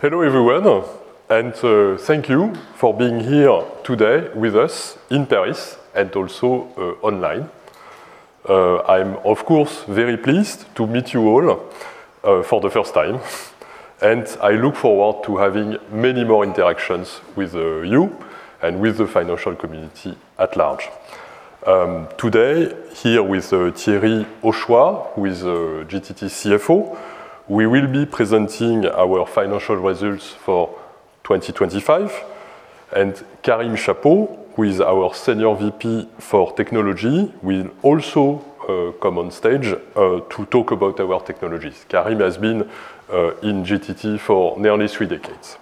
Hello everyone, and thank you for being here today with us in Paris and also online. I'm of course very pleased to meet you all for the first time, and I look forward to having many more interactions with you and with the financial community at large. Today, here with Thierry Hochoa, who is GTT CFO, we will be presenting our financial results for 2025. And Karim Chapot, who is our Senior VP for Technology, will also come on stage to talk about our technologies. Karim has been in GTT for nearly three decades.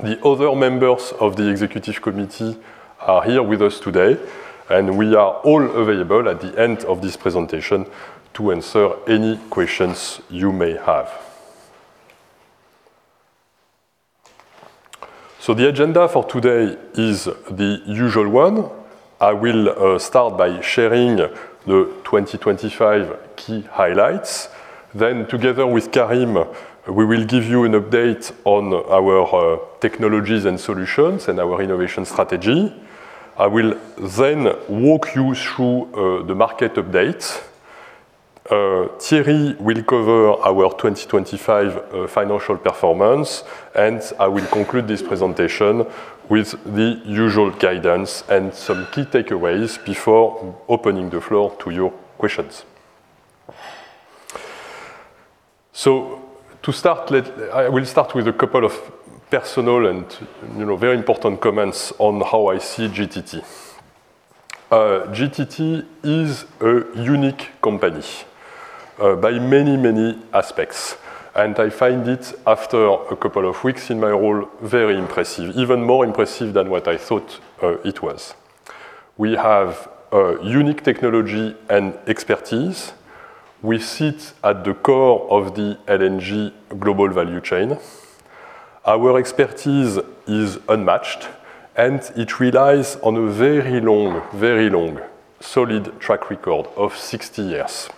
The other members of the executive committee are here with us today, and we are all available at the end of this presentation to answer any questions you may have. So the agenda for today is the usual one. I will start by sharing the 2025 key highlights. Then, together with Karim, we will give you an update on our technologies and solutions and our innovation strategy. I will then walk you through the market update. Thierry will cover our 2025 financial performance, and I will conclude this presentation with the usual guidance and some key takeaways before opening the floor to your questions. So to start, I will start with a couple of personal and, you know, very important comments on how I see GTT. GTT is a unique company by many, many aspects, and I find it, after a couple of weeks in my role, very impressive, even more impressive than what I thought it was. We have a unique technology and expertise. We sit at the core of the LNG global value chain. Our expertise is unmatched, and it relies on a very long, very long, solid track record of 60 years.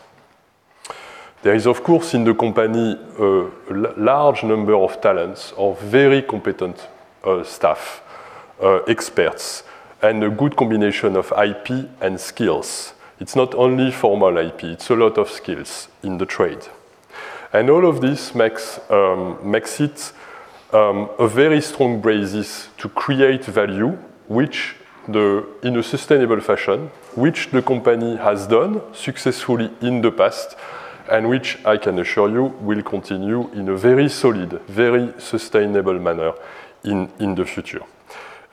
There is, of course, in the company, a large number of talents, of very competent staff, experts, and a good combination of IP and skills. It's not only formal IP, it's a lot of skills in the trade. All of this makes it a very strong basis to create value in a sustainable fashion, which the company has done successfully in the past, and which I can assure you will continue in a very solid, very sustainable manner in the future.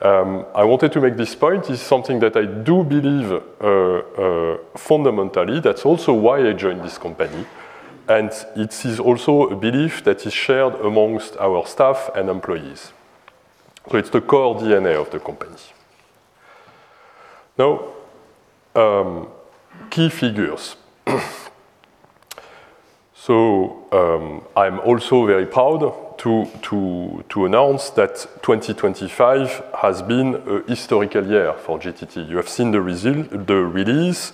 I wanted to make this point. It's something that I do believe fundamentally. That's also why I joined this company, and it is also a belief that is shared amongst our staff and employees. It's the core DNA of the company. Now, key figures. I'm also very proud to announce that 2025 has been a historical year for GTT. You have seen the result, the release.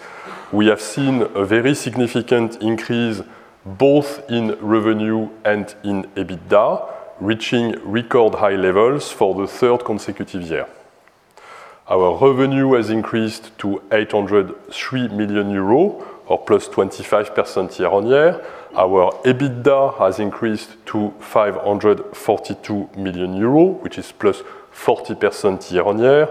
We have seen a very significant increase both in revenue and in EBITDA, reaching record high levels for the third consecutive year. Our revenue has increased to 803 million euros, or +25% year-over-year. Our EBITDA has increased to 542 million euros, which is +40% year-over-year.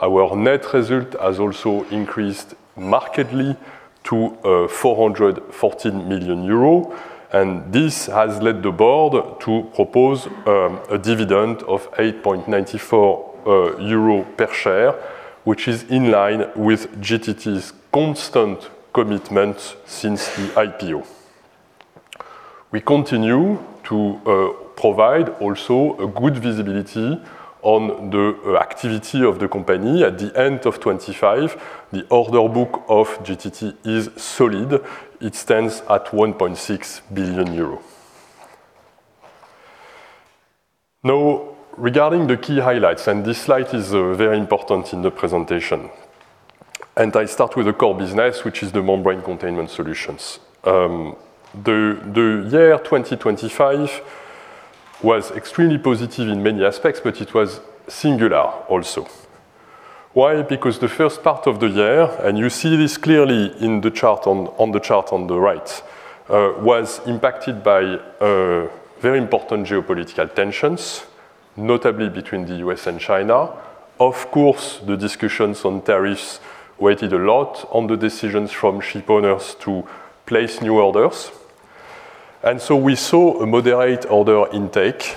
Our net result has also increased markedly to 414 million euros, and this has led the board to propose a dividend of 8.94 euro per share, which is in line with GTT's constant commitment since the IPO. We continue to provide also a good visibility on the activity of the company. At the end of 2025, the order book of GTT is solid. It stands at 1.6 billion euros. Now, regarding the key highlights, and this slide is very important in the presentation. I start with the core business, which is the membrane containment solutions. The year 2025 was extremely positive in many aspects, but it was singular also. Why? Because the first part of the year, and you see this clearly in the chart on the right, was impacted by very important geopolitical tensions, notably between the U.S. and China. Of course, the discussions on tariffs weighed a lot on the decisions from shipowners to place new orders. We saw a moderate order intake,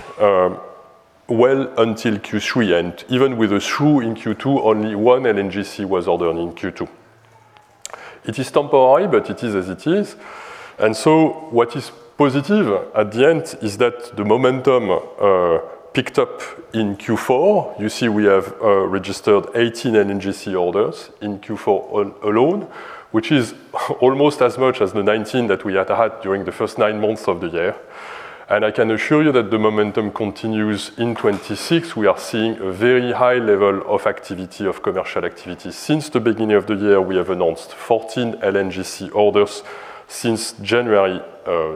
well until Q3, and even with a through in Q2, only 1 LNGC was ordered in Q2. It is temporary, but it is as it is. What is positive at the end is that the momentum picked up in Q4. You see, we have registered 18 LNGC orders in Q4 alone, which is almost as much as the 19 that we had had during the first 9 months of the year. I can assure you that the momentum continues in 2026. We are seeing a very high level of activity, of commercial activity. Since the beginning of the year, we have announced 14 LNGC orders since January,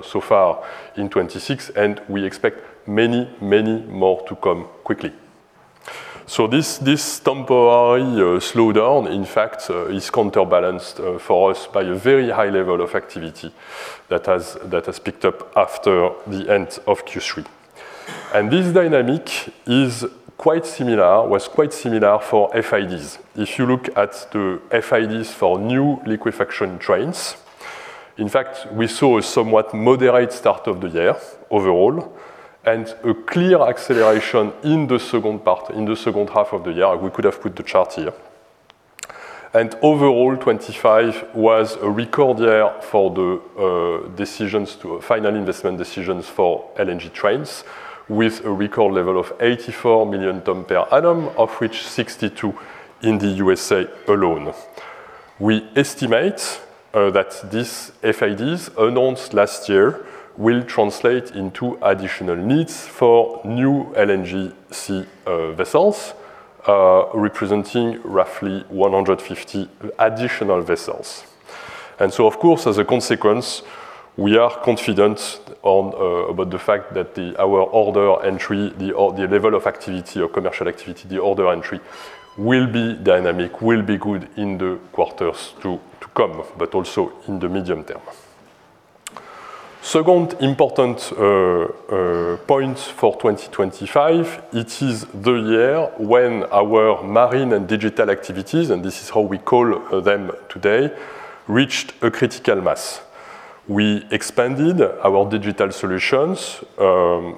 so far in 2026, and we expect many, many more to come quickly.... This temporary slowdown, in fact, is counterbalanced for us by a very high level of activity that has picked up after the end of Q3. This dynamic is quite similar, was quite similar for FIDs. If you look at the FIDs for new liquefaction trains, in fact, we saw a somewhat moderate start of the year overall, and a clear acceleration in the second part, in the second half of the year. We could have put the chart here. Overall, 2025 was a record year for the decisions to final investment decisions for LNG trains, with a record level of 84 million ton per annum, of which 62 in the U.S.A. alone. We estimate that these FIDs announced last year will translate into additional needs for new LNGC vessels, representing roughly 150 additional vessels. Of course, as a consequence, we are confident about the fact that our order entry, the level of activity or commercial activity, the order entry will be Danelec, will be good in the quarters to come, but also in the medium term. Second important point for 2025, it is the year when our marine and digital activities, and this is how we call them today, reached a critical mass. We expanded our digital solutions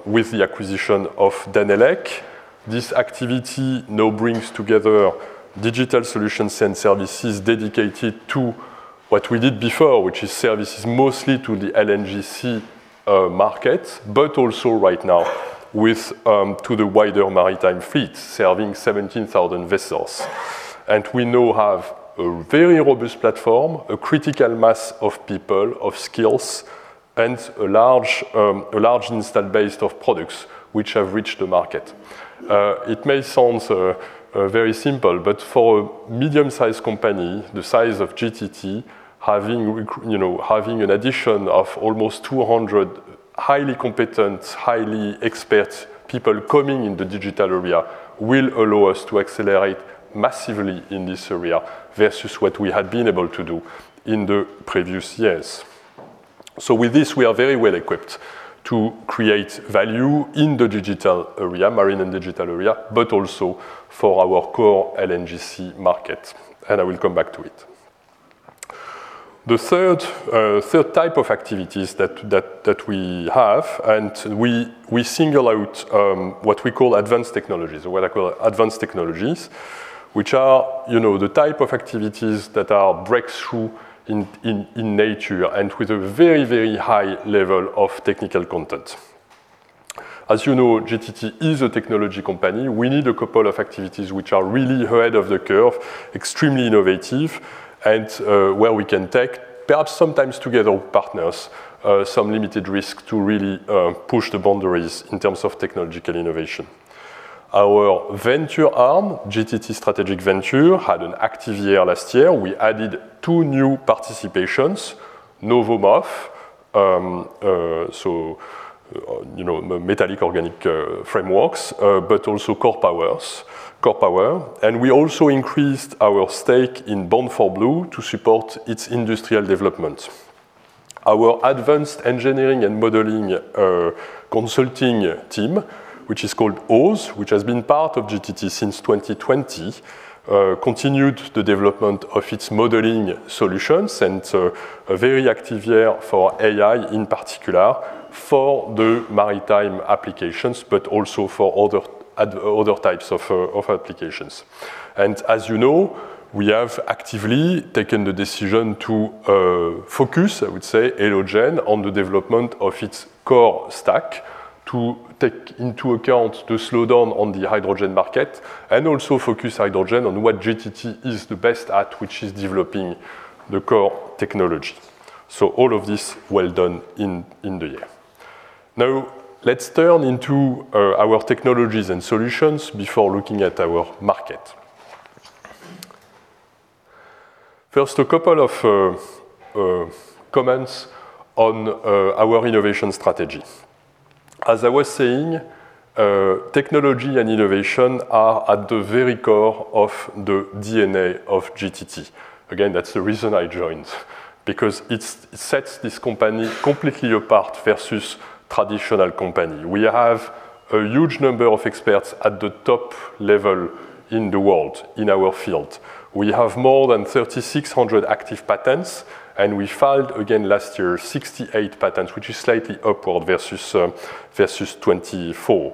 with the acquisition of Danelec. This activity now brings together digital solutions and services dedicated to what we did before, which is services mostly to the LNGC market, but also right now to the wider maritime fleet, serving 17,000 vessels. We now have a very robust platform, a critical mass of people, of skills, and a large, a large installed base of products which have reached the market. It may sound very simple, but for a medium-sized company the size of GTT, having you know, having an addition of almost 200 highly competent, highly expert people coming in the digital area will allow us to accelerate massively in this area versus what we had been able to do in the previous years. With this, we are very well equipped to create value in the digital area, marine and digital area, but also for our core LNGC market, and I will come back to it. The third type of activities that we have, and we single out what we call advanced technologies, or what I call advanced technologies, which are, you know, the type of activities that are breakthrough in nature and with a very, very high level of technical content. As you know, GTT is a technology company. We need a couple of activities which are really ahead of the curve, extremely innovative and where we can take, perhaps sometimes together with partners, some limited risk to really push the boundaries in terms of technological innovation. Our venture arm, GTT Strategic Ventures, had an active year last year. We added two new participations, NovoMOF, you know, metal-organic frameworks, but also CorPower. We also increased our stake in Bound4Blue to support its industrial development. Our advanced engineering and modeling consulting team, which is called OSE, which has been part of GTT since 2020, continued the development of its modeling solutions, and a very active year for AI, in particular, for the maritime applications, but also for other types of applications. As you know, we have actively taken the decision to focus, I would say, Elogen on the development of its core stack, to take into account the slowdown on the hydrogen market, and also focus Elogen on what GTT is the best at, which is developing the core technology. All of this well done in the year. Now, let's turn into our technologies and solutions before looking at our market. First, a couple of comments on our innovation strategy. As I was saying, technology and innovation are at the very core of the DNA of GTT. Again, that's the reason I joined, because it sets this company completely apart versus traditional company. We have a huge number of experts at the top level in the world, in our field. We have more than 3,600 active patents, and we filed again last year, 68 patents, which is slightly upward versus 2024.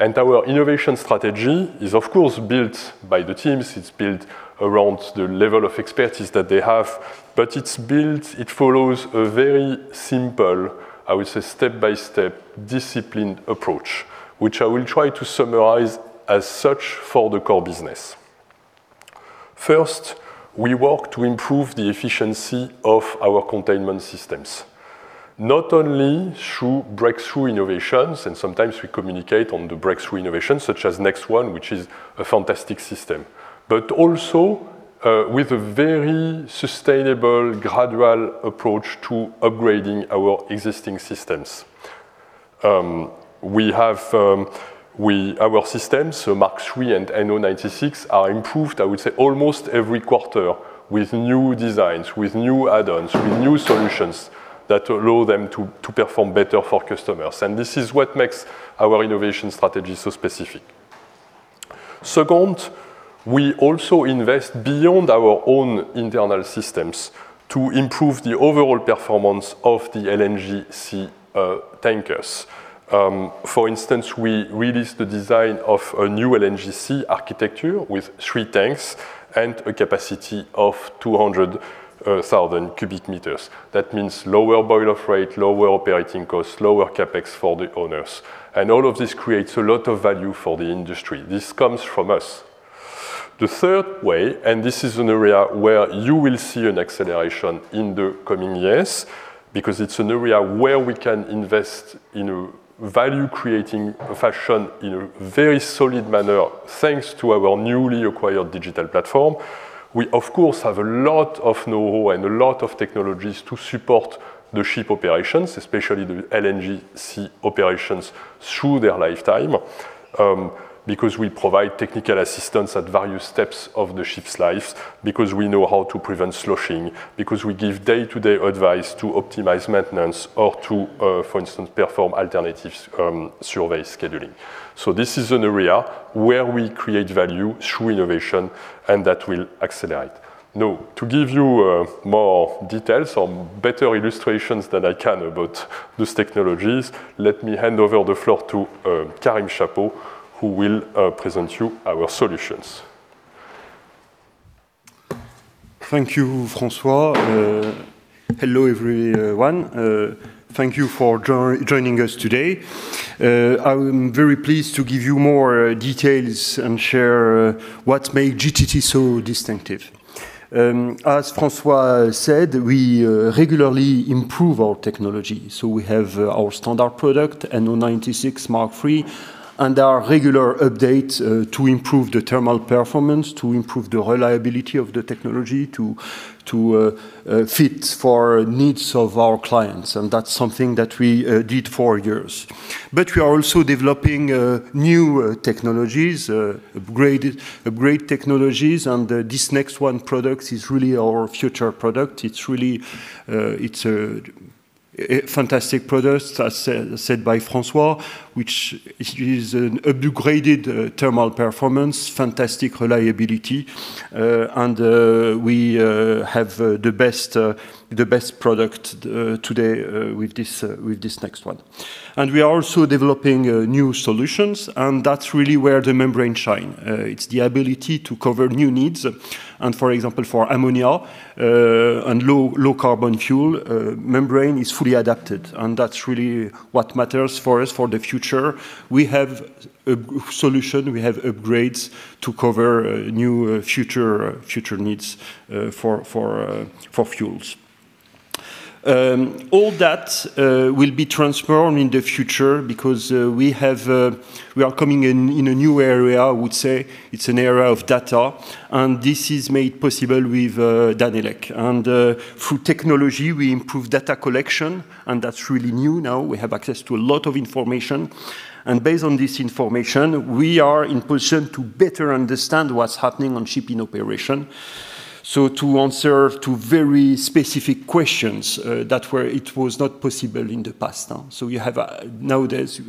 Our innovation strategy is of course built by the teams. It's built around the level of expertise that they have, but it's built... It follows a very simple, I would say, step-by-step, disciplined approach, which I will try to summarize as such for the core business. First, we work to improve the efficiency of our containment systems, not only through breakthrough innovations, and sometimes we communicate on the breakthrough innovations, such as NEXT1, which is a fantastic system. But also with a very sustainable, gradual approach to upgrading our existing systems. We have our systems, so Mark III and NO96 are improved, I would say, almost every quarter with new designs, with new add-ons, with new solutions that allow them to perform better for customers. And this is what makes our innovation strategy so specific. Second, we also invest beyond our own internal systems to improve the overall performance of the LNGC tankers. For instance, we released the design of a new LNGC architecture with three tanks and a capacity of 200,000 cubic meters. That means lower boil-off rate, lower operating costs, lower CapEx for the owners, and all of this creates a lot of value for the industry. This comes from us. The third way, and this is an area where you will see an acceleration in the coming years, because it's an area where we can invest in a value-creating fashion, in a very solid manner, thanks to our newly acquired digital platform. We, of course, have a lot of know-how and a lot of technologies to support the ship operations, especially the LNGC operations, through their lifetime. Because we provide technical assistance at various steps of the ship's life, because we know how to prevent sloshing, because we give day-to-day advice to optimize maintenance or to, for instance, perform alternatives, survey scheduling. This is an area where we create value through innovation, and that will accelerate. Now, to give you, more details or better illustrations that I can about these technologies, let me hand over the floor to, Karim Chapot, who will, present you our solutions. Thank you, François. Hello, everyone. Thank you for joining us today. I'm very pleased to give you more details and share what make GTT so distinctive. As François said, we regularly improve our technology. So we have our standard product, NO96 Mark III, and our regular updates to improve the thermal performance, to improve the reliability of the technology, to fit for needs of our clients, and that's something that we did for years. But we are also developing new technologies, upgraded upgrade technologies, and this NEXT1 product is really our future product. It's really, it's a fantastic product, as said by François, which is an upgraded thermal performance, fantastic reliability, and we have the best, the best product today with this, with this NEXT1. We are also developing new solutions, and that's really where the membrane shine. It's the ability to cover new needs. For example, for ammonia and low, low carbon fuel, membrane is fully adapted, and that's really what matters for us for the future. We have a solution, we have upgrades to cover new future, future needs for, for, for fuels. All that will be transformed in the future because we have, we are coming in, in a new area. I would say it's an area of data, and this is made possible with Danelec. Through technology, we improve data collection, and that's really new now. We have access to a lot of information, and based on this information, we are in position to better understand what's happening on shipping operation. To answer to very specific questions, that were... It was not possible in the past time. Nowadays,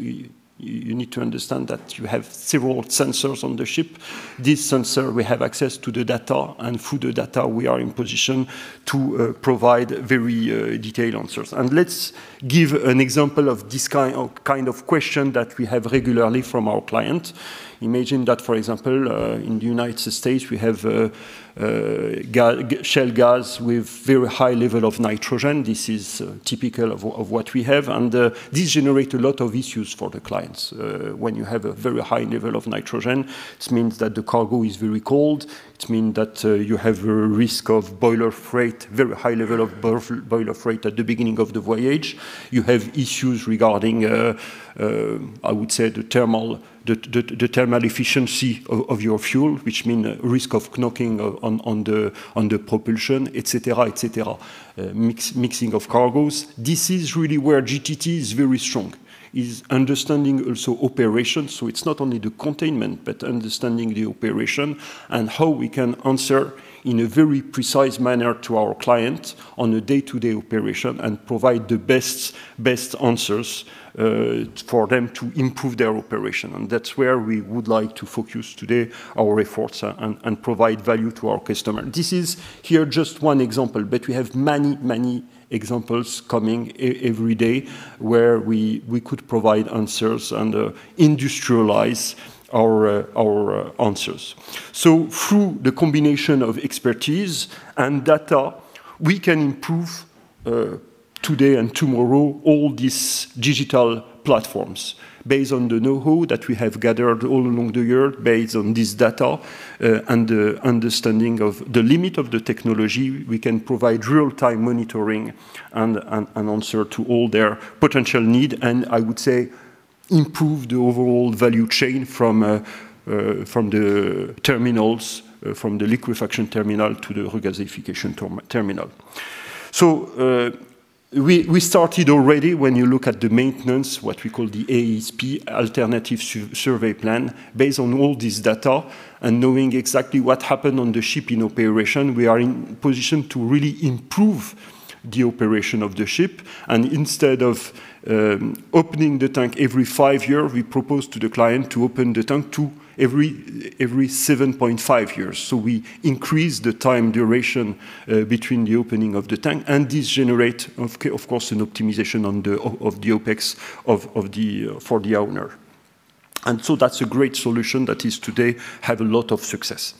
you need to understand that you have several sensors on the ship. This sensor, we have access to the data, and through the data, we are in position to provide very detailed answers. Let's give an example of this kind of question that we have regularly from our client. Imagine that, for example, in the United States, we have shale gas with very high level of nitrogen. This is typical of what we have, and this generate a lot of issues for the clients. When you have a very high level of nitrogen, this means that the cargo is very cold. It means that you have a risk of boil-off rate, very high level of boil-off rate at the beginning of the voyage. You have issues regarding, I would say, the thermal, the thermal efficiency of your fuel, which mean risk of knocking on the propulsion, et cetera, et cetera. Mixing of cargos. This is really where GTT is very strong, is understanding also operations. So it's not only the containment, but understanding the operation and how we can answer in a very precise manner to our client on a day-to-day operation and provide the best, best answers, for them to improve their operation. And that's where we would like to focus today our efforts and, and provide value to our customer. This is here just one example, but we have many, many examples coming every day where we could provide answers and, industrialize our answers. So through the combination of expertise and data, we can improve, today and tomorrow, all these digital platforms. Based on the know-how that we have gathered all along the year, based on this data, and the understanding of the limit of the technology, we can provide real-time monitoring and, an answer to all their potential need. I would say improve the overall value chain from the terminals, from the liquefaction terminal to the regasification terminal. We started already when you look at the maintenance, what we call the ASP, Alternative Survey Plan, based on all this data and knowing exactly what happened on the ship in operation, we are in position to really improve the operation of the ship. Instead of opening the tank every five years, we propose to the client to open the tank every 7.5 years. We increase the time duration between the opening of the tank, and this generates, of course, an optimization of the OpEx for the owner. That's a great solution that today has a lot of success.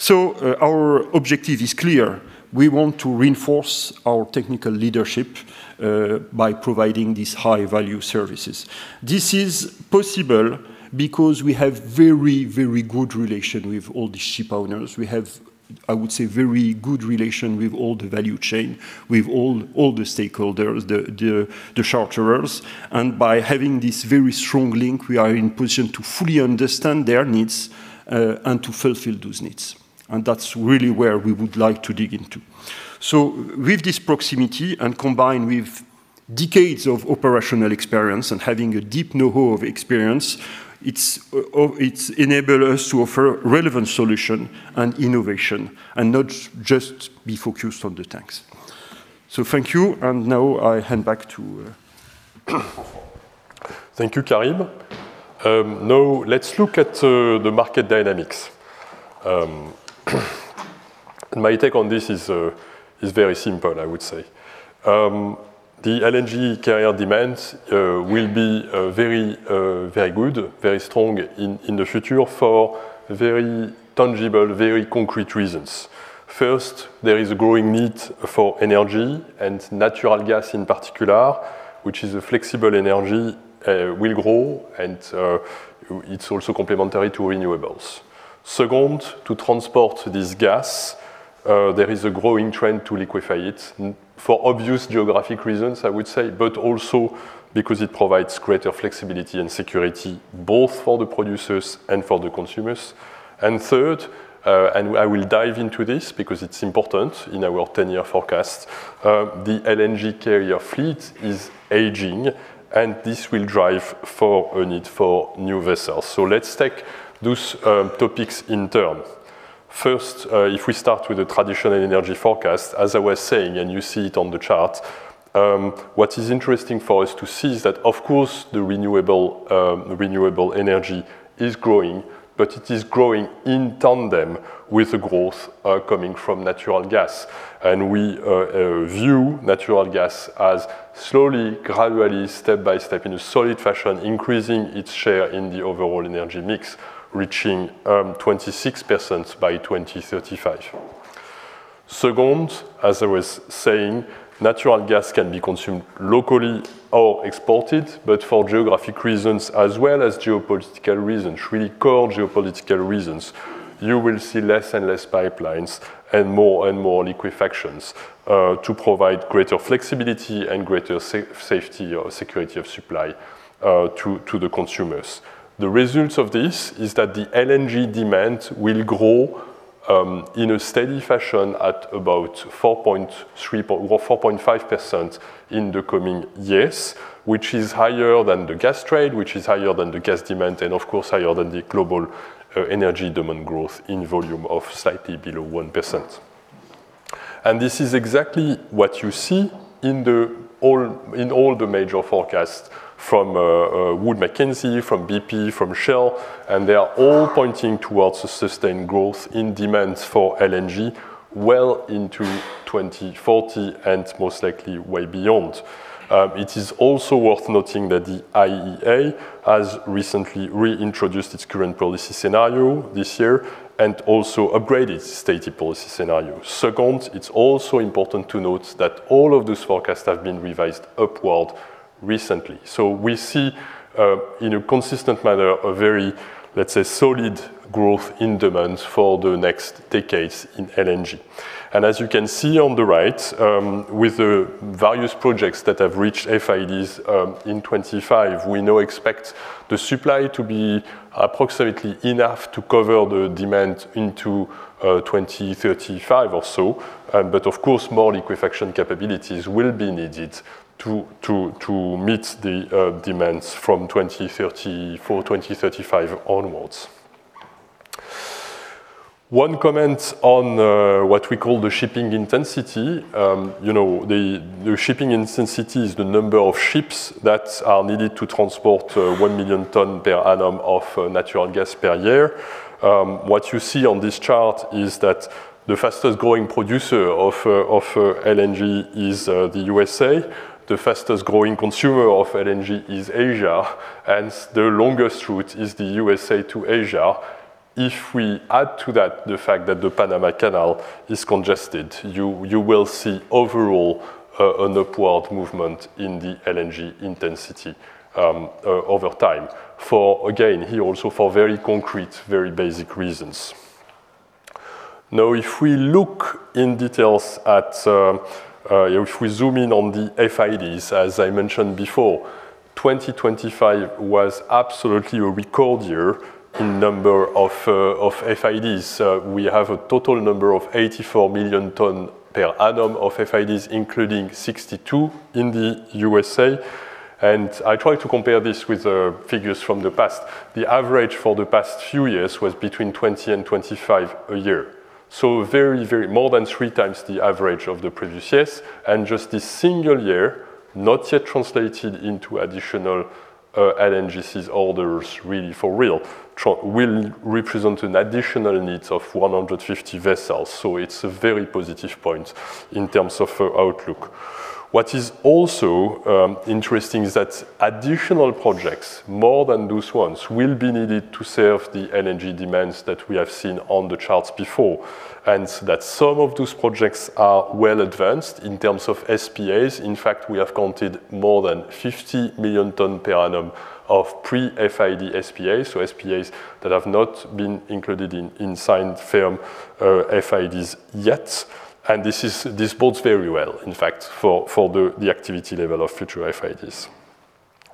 So, our objective is clear: we want to reinforce our technical leadership by providing these high-value services. This is possible because we have very, very good relation with all the ship owners. We have, I would say, very good relation with all the value chain, with all the stakeholders, the charterers. And by having this very strong link, we are in position to fully understand their needs and to fulfill those needs. And that's really where we would like to dig into. So with this proximity, and combined with decades of operational experience and having a deep know-how of experience, it's enable us to offer relevant solution and innovation and not just be focused on the tanks. So thank you, and now I hand back to, Thank you, Karim. Now let's look at the market dynamics. My take on this is very simple, I would say. The LNG carrier demand will be very, very good, very strong in the future for very tangible, very concrete reasons. First, there is a growing need for energy and natural gas in particular, which is a flexible energy, will grow, and it's also complementary to renewables. Second, to transport this gas, there is a growing trend to liquefy it, for obvious geographic reasons, I would say, but also because it provides greater flexibility and security, both for the producers and for the consumers. Third, and I will dive into this because it's important in our ten-year forecast, the LNG carrier fleet is aging, and this will drive for a need for new vessels. So let's take these topics in turn. First, if we start with the traditional energy forecast, as I was saying, and you see it on the chart, what is interesting for us to see is that, of course, the renewable, renewable energy is growing, but it is growing in tandem with the growth coming from natural gas. And we view natural gas as slowly, gradually, step by step, in a solid fashion, increasing its share in the overall energy mix, reaching 26% by 2035. Second, as I was saying, natural gas can be consumed locally or exported, but for geographic reasons as well as geopolitical reasons, really core geopolitical reasons, you will see less and less pipelines and more and more liquefactions to provide greater flexibility and greater safety or security of supply to the consumers. The results of this is that the LNG demand will grow in a steady fashion at about 4.3% or 4.5% in the coming years, which is higher than the gas trade, which is higher than the gas demand, and of course, higher than the global energy demand growth in volume of slightly below 1%. This is exactly what you see in all the major forecasts from Wood Mackenzie, from BP, from Shell, and they are all pointing towards a sustained growth in demand for LNG well into 2040 and most likely way beyond. It is also worth noting that the IEA has recently reintroduced its current policy scenario this year and also upgraded its stated policy scenario. Second, it's also important to note that all of these forecasts have been revised upward recently. We see, in a consistent manner, a very, let's say, solid growth in demand for the next decades in LNG. As you can see on the right, with the various projects that have reached FIDs, in 2025, we now expect the supply to be approximately enough to cover the demand into 2035 or so. Of course, more liquefaction capabilities will be needed to meet the demands from 2035 onwards. One comment on what we call the shipping intensity. You know, the shipping intensity is the number of ships that are needed to transport 1 million tons per annum of natural gas per year. What you see on this chart is that the fastest-growing producer of LNG is the USA. The fastest-growing consumer of LNG is Asia, and the longest route is the USA to Asia. If we add to that the fact that the Panama Canal is congested, you will see overall an upward movement in the LNG intensity over time, for, again, here also for very concrete, very basic reasons. Now, if we look in details at, if we zoom in on the FIDs, as I mentioned before, 2025 was absolutely a record year in number of FIDs. We have a total number of 84 million tonne per annum of FIDs, including 62 in the USA. I tried to compare this with figures from the past. The average for the past few years was between 20 and 25 a year. So very, very more than 3 times the average of the previous years, and just this single year, not yet translated into additional LNGCs orders, really, for real, will represent an additional needs of 150 vessels. So it's a very positive point in terms of outlook. What is also interesting is that additional projects, more than those ones, will be needed to serve the LNG demands that we have seen on the charts before, and that some of those projects are well advanced in terms of SPAs. In fact, we have counted more than 50 million tonne per annum of pre-FID SPAs, so SPAs that have not been included in signed firm FIDs yet. And this is... This bodes very well, in fact, for the activity level of future FIDs.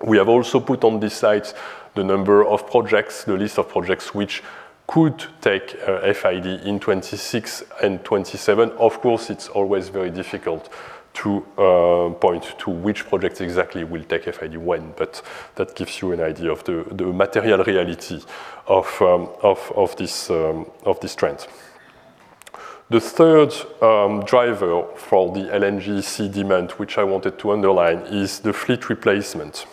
We have also put on this slide the number of projects, the list of projects, which could take FID in 2026 and 2027. Of course, it's always very difficult to point to which projects exactly will take FID when, but that gives you an idea of the material reality of this trend. The third driver for the LNGC demand, which I wanted to underline, is the fleet replacement.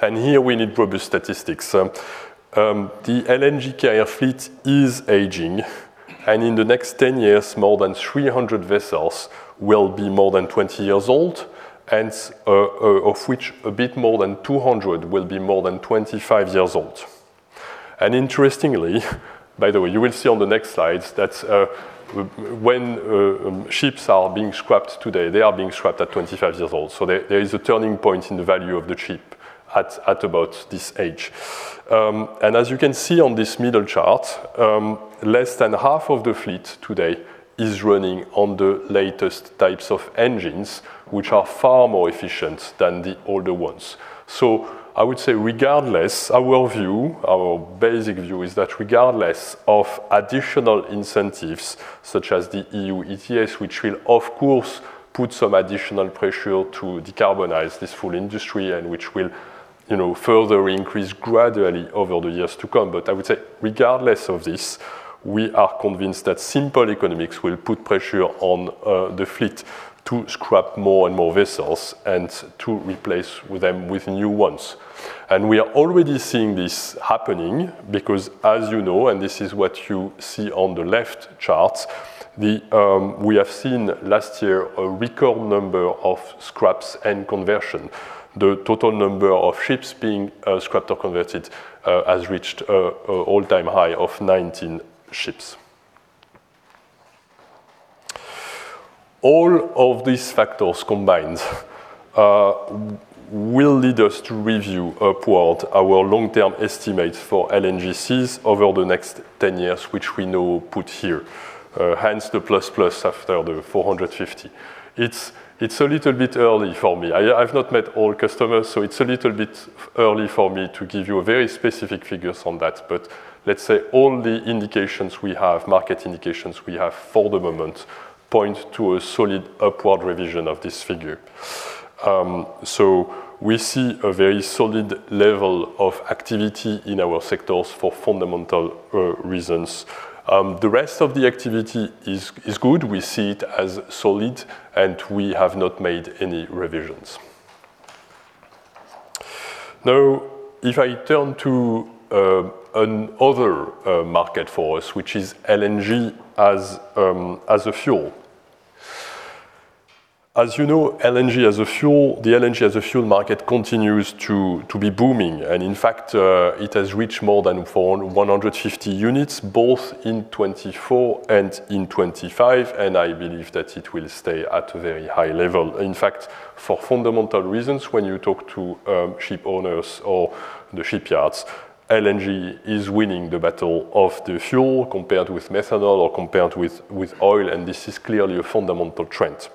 Here, we need proper statistics. The LNG carrier fleet is aging, and in the next 10 years, more than 300 vessels will be more than 20 years old, of which a bit more than 200 will be more than 25 years old. Interestingly, by the way, you will see on the next slide that when ships are being scrapped today, they are being scrapped at 25 years old. There is a turning point in the value of the ship at about this age. As you can see on this middle chart, less than half of the fleet today is running on the latest types of engines, which are far more efficient than the older ones. I would say, regardless, our view, our basic view is that regardless of additional incentives, such as the EU ETS, which will, of course, put some additional pressure to decarbonize this full industry and which will, you know, further increase gradually over the years to come. But I would say, regardless of this, we are convinced that simple economics will put pressure on the fleet to scrap more and more vessels, and to replace with them with new ones. And we are already seeing this happening because, as you know, and this is what you see on the left chart, the we have seen last year a record number of scraps and conversion. The total number of ships being scrapped or converted has reached a all-time high of 19 ships. All of these factors combined will lead us to review upward our long-term estimates for LNGCs over the next 10 years, which we now put here. Hence, the plus, plus after the 450. It's a little bit early for me. I've not met all customers, so it's a little bit early for me to give you a very specific figures on that. But let's say all the indications we have, market indications we have for the moment, point to a solid upward revision of this figure. So we see a very solid level of activity in our sectors for fundamental reasons. The rest of the activity is good. We see it as solid, and we have not made any revisions. Now, if I turn to another market for us, which is LNG as a fuel. As you know, LNG as a fuel, the LNG as a fuel market continues to be booming, and in fact, it has reached more than 450 units, both in 2024 and in 2025, and I believe that it will stay at a very high level. In fact, for fundamental reasons, when you talk to shipowners or the shipyards, LNG is winning the battle of the fuel compared with methanol or compared with oil, and this is clearly a fundamental trend.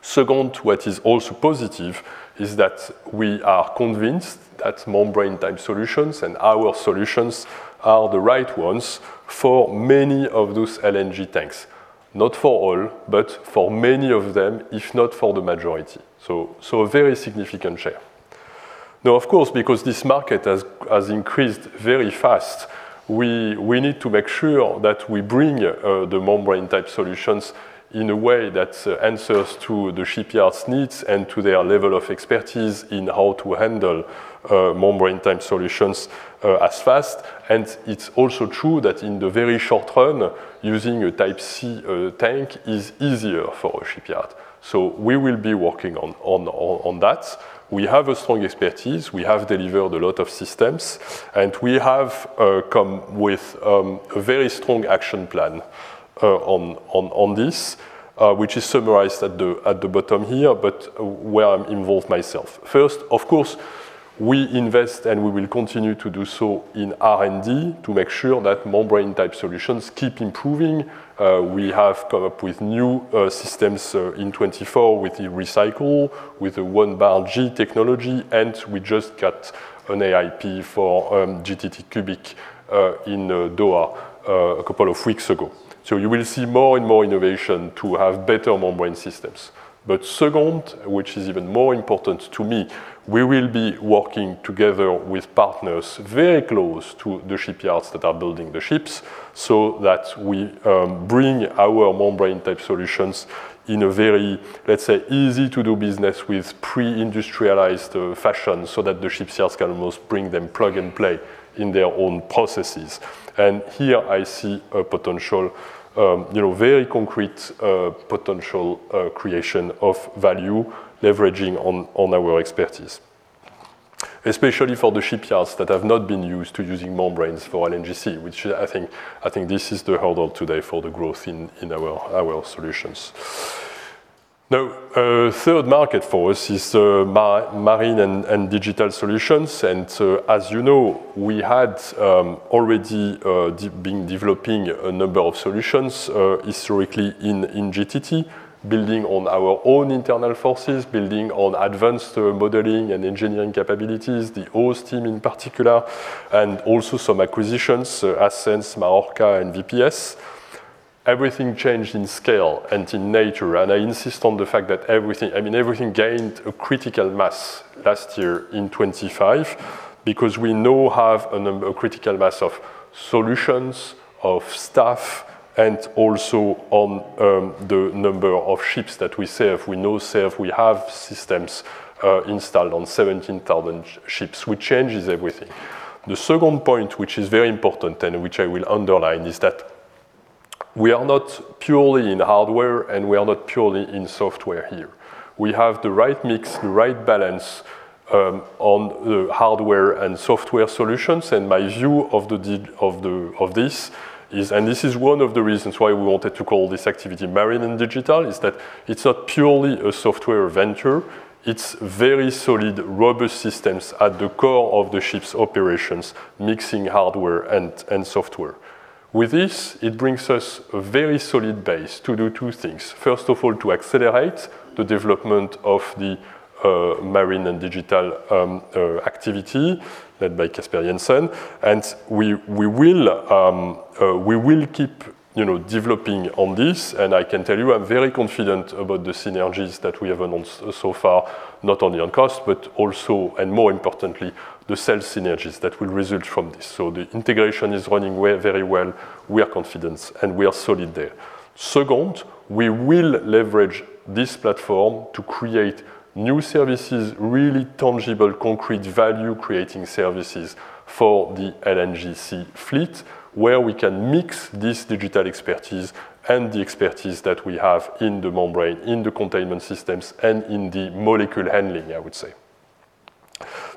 Second, what is also positive is that we are convinced that membrane type solutions and our solutions are the right ones for many of those LNG tanks. Not for all, but for many of them, if not for the majority. So a very significant share. Now, of course, because this market has increased very fast, we need to make sure that we bring the membrane type solutions in a way that answers to the shipyards' needs and to their level of expertise in how to handle membrane type solutions as fast. It's also true that in the very short run, using a Type C tank is easier for a shipyard. We will be working on that. We have a strong expertise. We have delivered a lot of systems, and we have come with a very strong action plan on this, which is summarized at the bottom here, but where I'm involved myself. First, of course, we invest, and we will continue to do so in R&D to make sure that membrane type solutions keep improving. We have come up with new systems in 2024 with the Recycool, with the one bar G technology, and we just got an AIP for GTT CUBIQ in Doha a couple of weeks ago. So you will see more and more innovation to have better membrane systems. But second, which is even more important to me, we will be working together with partners very close to the shipyards that are building the ships, so that we bring our membrane type solutions in a very, let's say, easy to do business with pre-industrialized fashion, so that the shipyards can almost bring them plug and play in their own processes. And here I see a potential, you know, very concrete potential creation of value leveraging on, on our expertise. Especially for the shipyards that have not been used to using membranes for LNGC, which I think, I think this is the hurdle today for the growth in, in our, our solutions. Now, third market for us is, marine and, and digital solutions. As you know, we had, already, been developing a number of solutions, historically in, in GTT, building on our own internal forces, building on advanced, modeling and engineering capabilities, the OSE team in particular, and also some acquisitions, Ascenz, Marorka, and VPS. Everything changed in scale and in nature, and I insist on the fact that everything... I mean, everything gained a critical mass last year in 2025, because we now have a critical mass of solutions, of staff, and also on, the number of ships that we serve. We now have systems installed on 17,000 ships, which changes everything. The second point, which is very important and which I will underline, is that we are not purely in hardware, and we are not purely in software here. We have the right mix, the right balance on the hardware and software solutions, and my view of this is, and this is one of the reasons why we wanted to call this activity marine and digital, is that it's not purely a software venture. It's very solid, robust systems at the core of the ship's operations, mixing hardware and software. With this, it brings us a very solid base to do two things. First of all, to accelerate the development of the marine and digital activity, led by Casper Jensen. We will keep, you know, developing on this, and I can tell you, I'm very confident about the synergies that we have announced so far, not only on cost, but also, and more importantly, the sales synergies that will result from this. The integration is running very well. We are confident, and we are solid there. Second, we will leverage this platform to create new services, really tangible, concrete, value-creating services for the LNGC fleet, where we can mix this digital expertise and the expertise that we have in the membrane, in the containment systems, and in the molecule handling, I would say.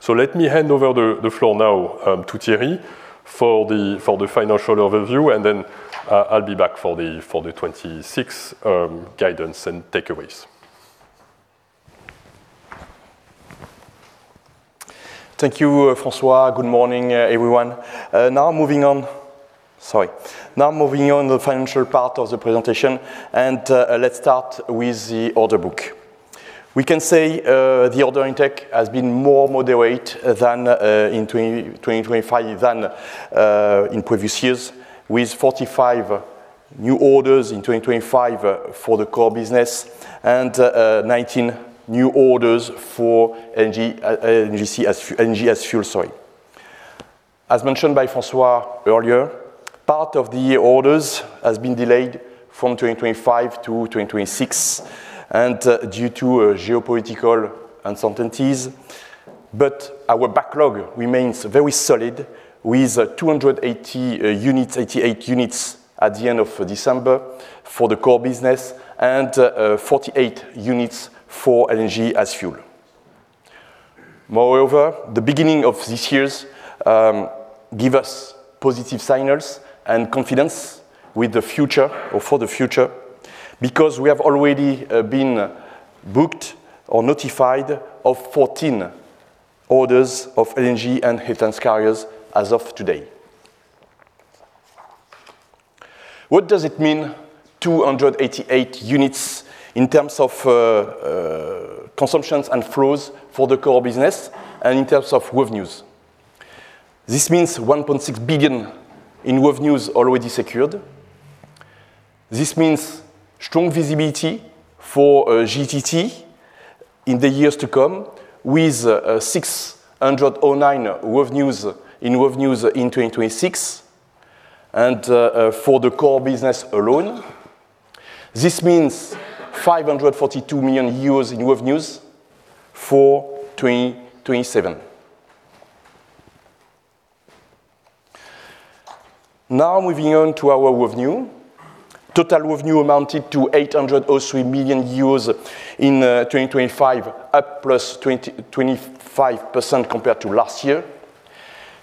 Let me hand over the floor now to Thierry for the financial overview, and then I'll be back for the 2026 guidance and takeaways. Thank you, François. Good morning, everyone. Now moving on... Sorry. Now moving on the financial part of the presentation, and let's start with the order book. We can say the order intake has been more moderate than in 2025 than in previous years, with 45 new orders in 2025 for the core business and 19 new orders for LNG as fuel, sorry. As mentioned by François earlier, part of the orders has been delayed from 2025 to 2026 and due to geopolitical uncertainties. But our backlog remains very solid, with 288 units at the end of December for the core business and 48 units for LNG as fuel. Moreover, the beginning of this year's give us positive signals and confidence with the future or for the future, because we have already been booked or notified of 14 orders of LNG and methane carriers as of today. What does it mean, 288 units in terms of consumptions and flows for the core business and in terms of revenues? This means $1.6 billion in revenues already secured. This means strong visibility for GTT in the years to come, with six hundred and nine revenues, in revenues in 2026, and for the core business alone, this means 542 million euros in revenues for 2027. Now moving on to our revenue. Total revenue amounted to 803 million euros in 2025, up plus 25% compared to last year.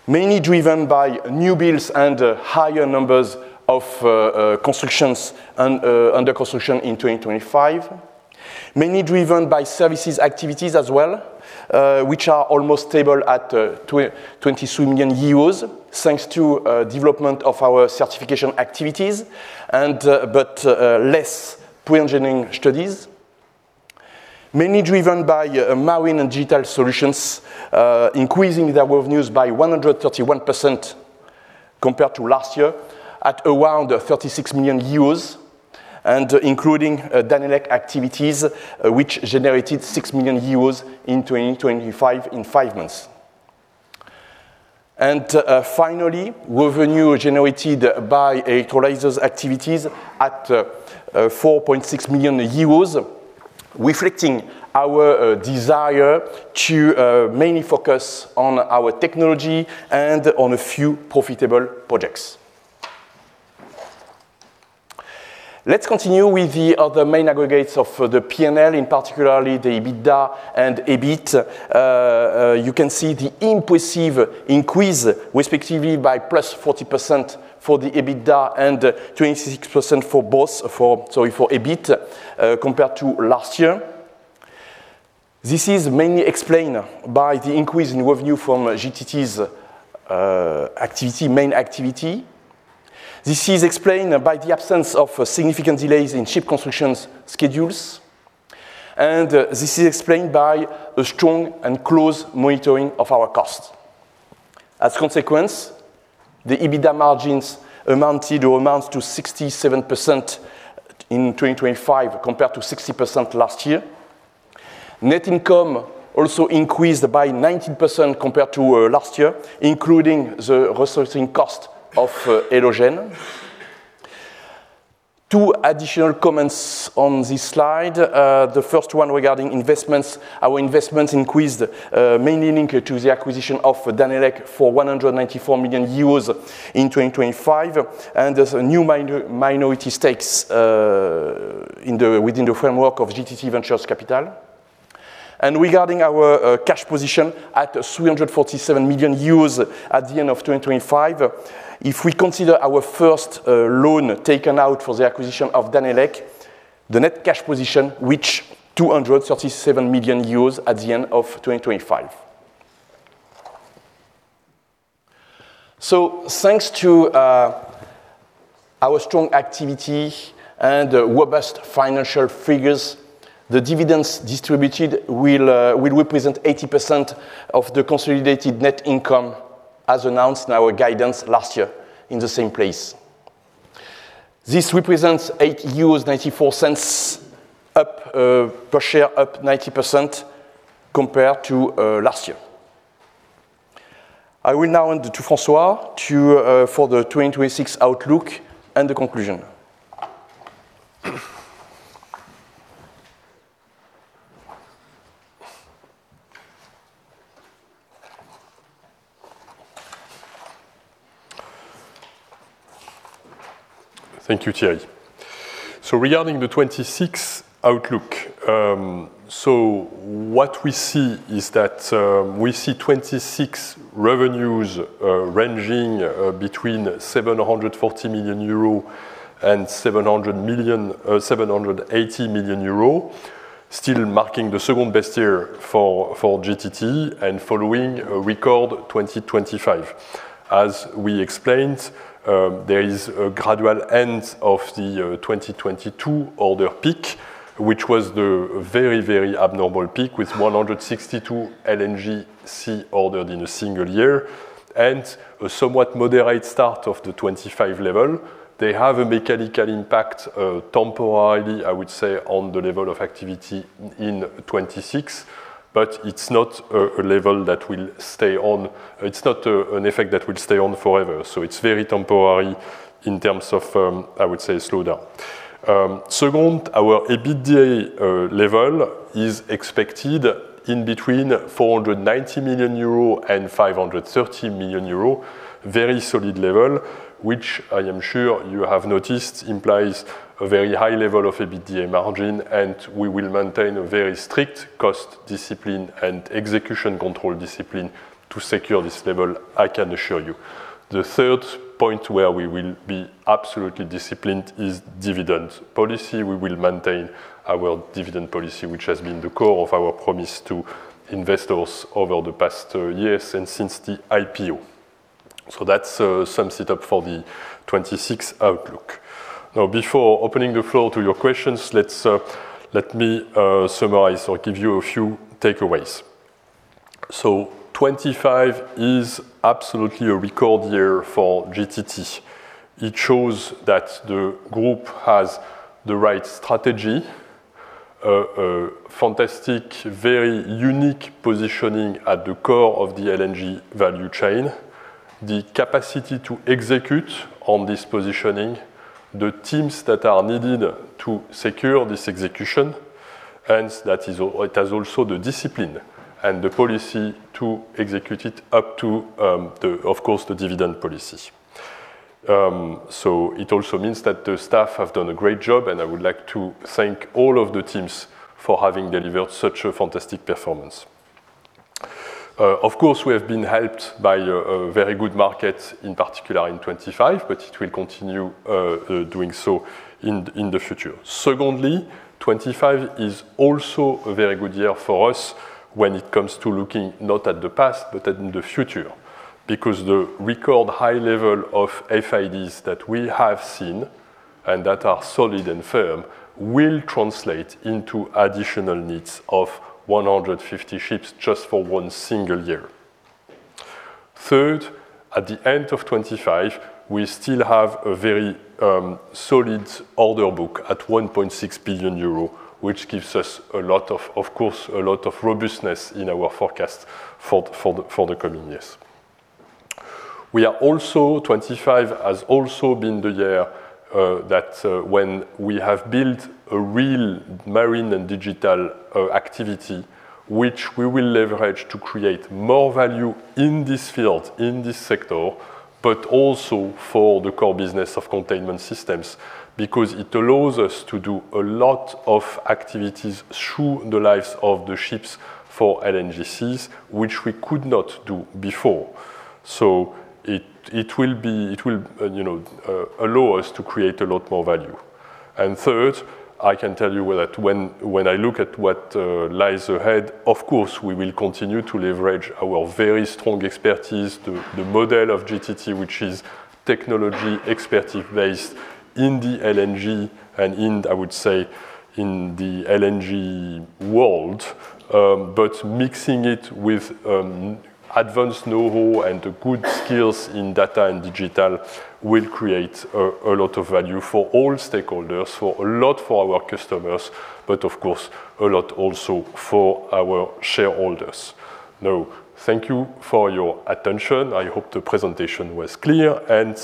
Mainly driven by new builds and higher numbers of constructions and under construction in 2025. Mainly driven by services activities as well, which are almost stable at 23 million euros, thanks to development of our certification activities and, but, less pre-engineering studies. Mainly driven by marine and digital solutions, increasing their revenues by 131% compared to last year, at around 36 million euros, and including Danelec activities, which generated 6 million euros in 2025 in five months. Finally, revenue generated by electrolyzers activities at 4.6 million euros, reflecting our desire to mainly focus on our technology and on a few profitable projects. Let's continue with the other main aggregates of the P&L, in particularly the EBITDA and EBIT. You can see the impressive increase, respectively, by +40% for the EBITDA and 26% for EBIT, compared to last year. This is mainly explained by the increase in revenue from GTT's activity, main activity. This is explained by the absence of significant delays in ship constructions schedules, and this is explained by a strong and close monitoring of our costs. As a consequence, the EBITDA margins amounted or amounts to 67% in 2025, compared to 60% last year. Net income also increased by 19% compared to last year, including the restructuring cost of Elogen. Two additional comments on this slide. The first one regarding investments. Our investments increased mainly linked to the acquisition of Danelec for 194 million euros in 2025, and there's new minority stakes within the framework of GTT Ventures Capital. Regarding our cash position at 347 million euros at the end of 2025, if we consider our first loan taken out for the acquisition of Danelec, the net cash position reached 237 million euros at the end of 2025. Thanks to our strong activity and robust financial figures, the dividends distributed will represent 80% of the consolidated net income, as announced in our guidance last year in the same place. This represents 8.94 euros up per share, up 90% compared to last year. I will now hand to François to, for the 2026 outlook and the conclusion. Thank you, Thierry. Regarding the 2026 outlook, what we see is that we see 2026 revenues ranging between 740 million-780 million euro, still marking the second best year for GTT and following a record 2025. As we explained, there is a gradual end of the 2022 order peak, which was the very, very abnormal peak, with 162 LNGC ordered in a single year, and a somewhat moderate start of the 2025 level. They have a mechanical impact, temporarily, I would say, on the level of activity in 2026, but it's not a level that will stay on... It's not an effect that will stay on forever, so it's very temporary in terms of, I would say, slowdown. Second, our EBITDA level is expected in between 490 million euro and 530 million euro. Very solid level, which I am sure you have noticed, implies a very high level of EBITDA margin, and we will maintain a very strict cost discipline and execution control discipline to secure this level, I can assure you. The third point where we will be absolutely disciplined is dividend policy. We will maintain our dividend policy, which has been the core of our promise to investors over the past years and since the IPO. That sums it up for the 2026 outlook. Now, before opening the floor to your questions, let's, let me summarize or give you a few takeaways. 2025 is absolutely a record year for GTT. It shows that the group has the right strategy, a fantastic, very unique positioning at the core of the LNG value chain, the capacity to execute on this positioning, the teams that are needed to secure this execution, and that it has also the discipline and the policy to execute it up to the, of course, the dividend policy. It also means that the staff have done a great job, and I would like to thank all of the teams for having delivered such a fantastic performance. Of course, we have been helped by a very good market, in particular in 2025, but it will continue doing so in the future. Secondly, 2025 is also a very good year for us when it comes to looking not at the past, but at in the future. Because the record high level of FIDs that we have seen, and that are solid and firm, will translate into additional needs of 150 ships just for one single year. Third, at the end of 2025, we still have a very solid order book at 1.6 billion euros, which gives us a lot of, of course, a lot of robustness in our forecast for, for the, for the coming years. We are also 2025 has also been the year that when we have built a real marine and digital activity, which we will leverage to create more value in this field, in this sector, but also for the core business of containment systems. Because it allows us to do a lot of activities through the lives of the ships for LNGCs, which we could not do before. It will allow us to create a lot more value. Third, I can tell you that when I look at what lies ahead, of course, we will continue to leverage our very strong expertise, the model of GTT, which is technology expertise based in the LNG and in, I would say, in the LNG world. You know, mixing it with advanced know-how and the good skills in data and digital will create a lot of value for all stakeholders, a lot for our customers, but of course, a lot also for our shareholders. Thank you for your attention. I hope the presentation was clear, and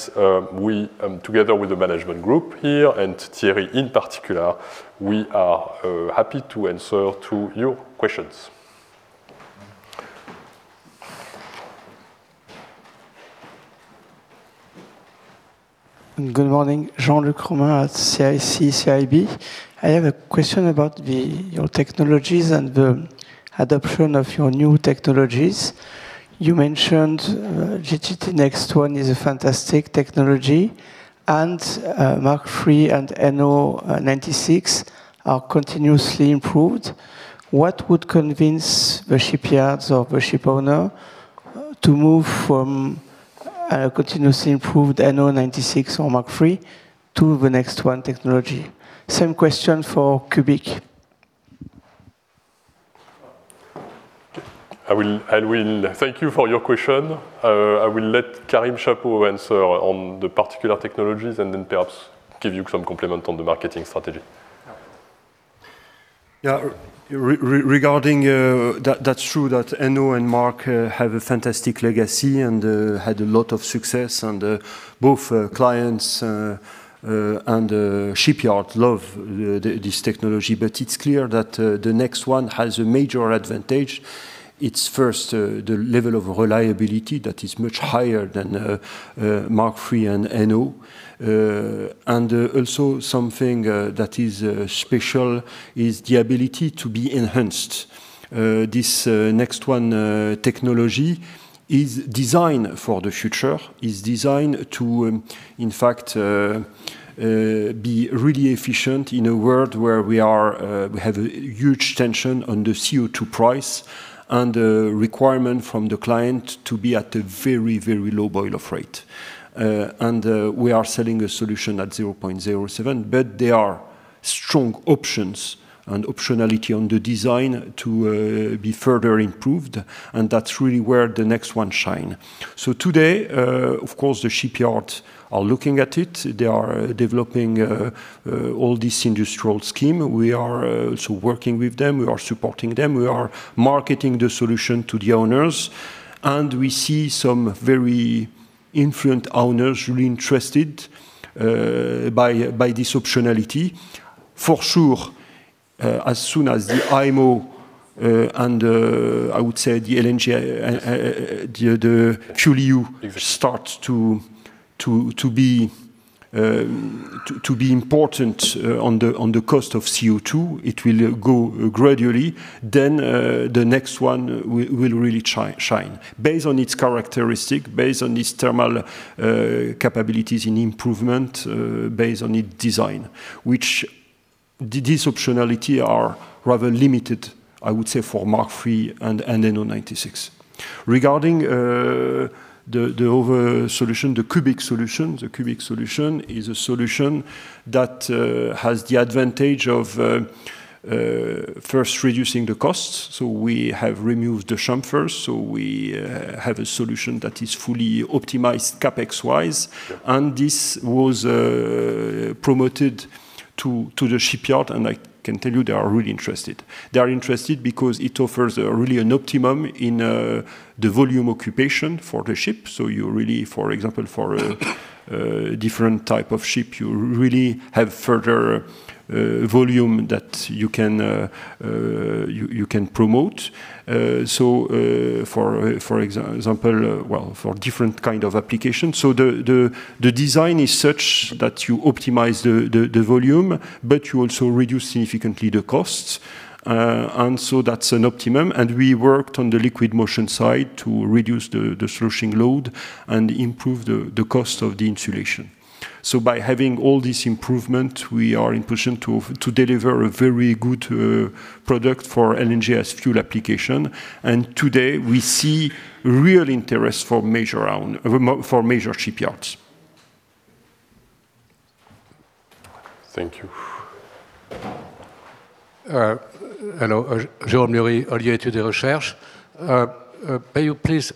we, together with the management group here, and Thierry in particular, we are happy to answer to your questions. Good morning, Jean-Luc Romain at CIC CIB. I have a question about the your technologies and the adoption of your new technologies. You mentioned GTT NEXT1 is a fantastic technology, and Mark III and NO96 are continuously improved. What would convince the shipyards or the shipowner to move from continuously improved NO96 or Mark III to the NEXT1 technology? Same question for CUBIQ. I will, I will thank you for your question. I will let Karim Chapot answer on the particular technologies and then perhaps give you some complement on the marketing strategy. Yeah, regarding that, that's true, that NO and Mark have a fantastic legacy and had a lot of success, and both clients and shipyard love this technology. It's clear that the NEXT1 has a major advantage. It's first, the level of reliability that is much higher than Mark III and NO. Also, something that is special is the ability to be enhanced. This NEXT1 technology is designed for the future, is designed to, in fact, be really efficient in a world where we have a huge tension on the CO2 price and the requirement from the client to be at a very, very low boil-off rate. And we are selling a solution at 0.07, but there are strong options and optionality on the design to be further improved, and that's really where the NEXT1 shine. So today, of course, the shipyards are looking at it. They are developing all this industrial scheme. We are also working with them. We are supporting them. We are marketing the solution to the owners, and we see some very influent owners really interested by this optionality. For sure, as soon as the IMO and I would say the LNG the fuel you start to be important on the cost of CO2, it will go gradually, then the NEXT1 will really shine, based on its characteristic, based on its thermal capabilities in improvement, based on its design, which these optionality are rather limited, I would say, for Mark III and NO96. Regarding the other solution, the CUBIQ solution, the CUBIQ solution is a solution that has the advantage of first reducing the costs. So we have removed the chamfers, so we have a solution that is fully optimized CapEx-wise, and this was promoted-... to the shipyard, and I can tell you they are really interested. They are interested because it offers really an optimum in the volume occupation for the ship. You really, for example, for a different type of ship, you really have further volume that you can promote. For example, well, for different kind of applications. The design is such that you optimize the volume, but you also reduce significantly the costs, and so that's an optimum. We worked on the liquid motion side to reduce the sloshing load and improve the cost of the insulation. By having all this improvement, we are in position to deliver a very good product for LNG as fuel application, and today we see real interest for major shipyards. Thank you. Hello, Jean-Marie Ollier, Études et Recherches. May you please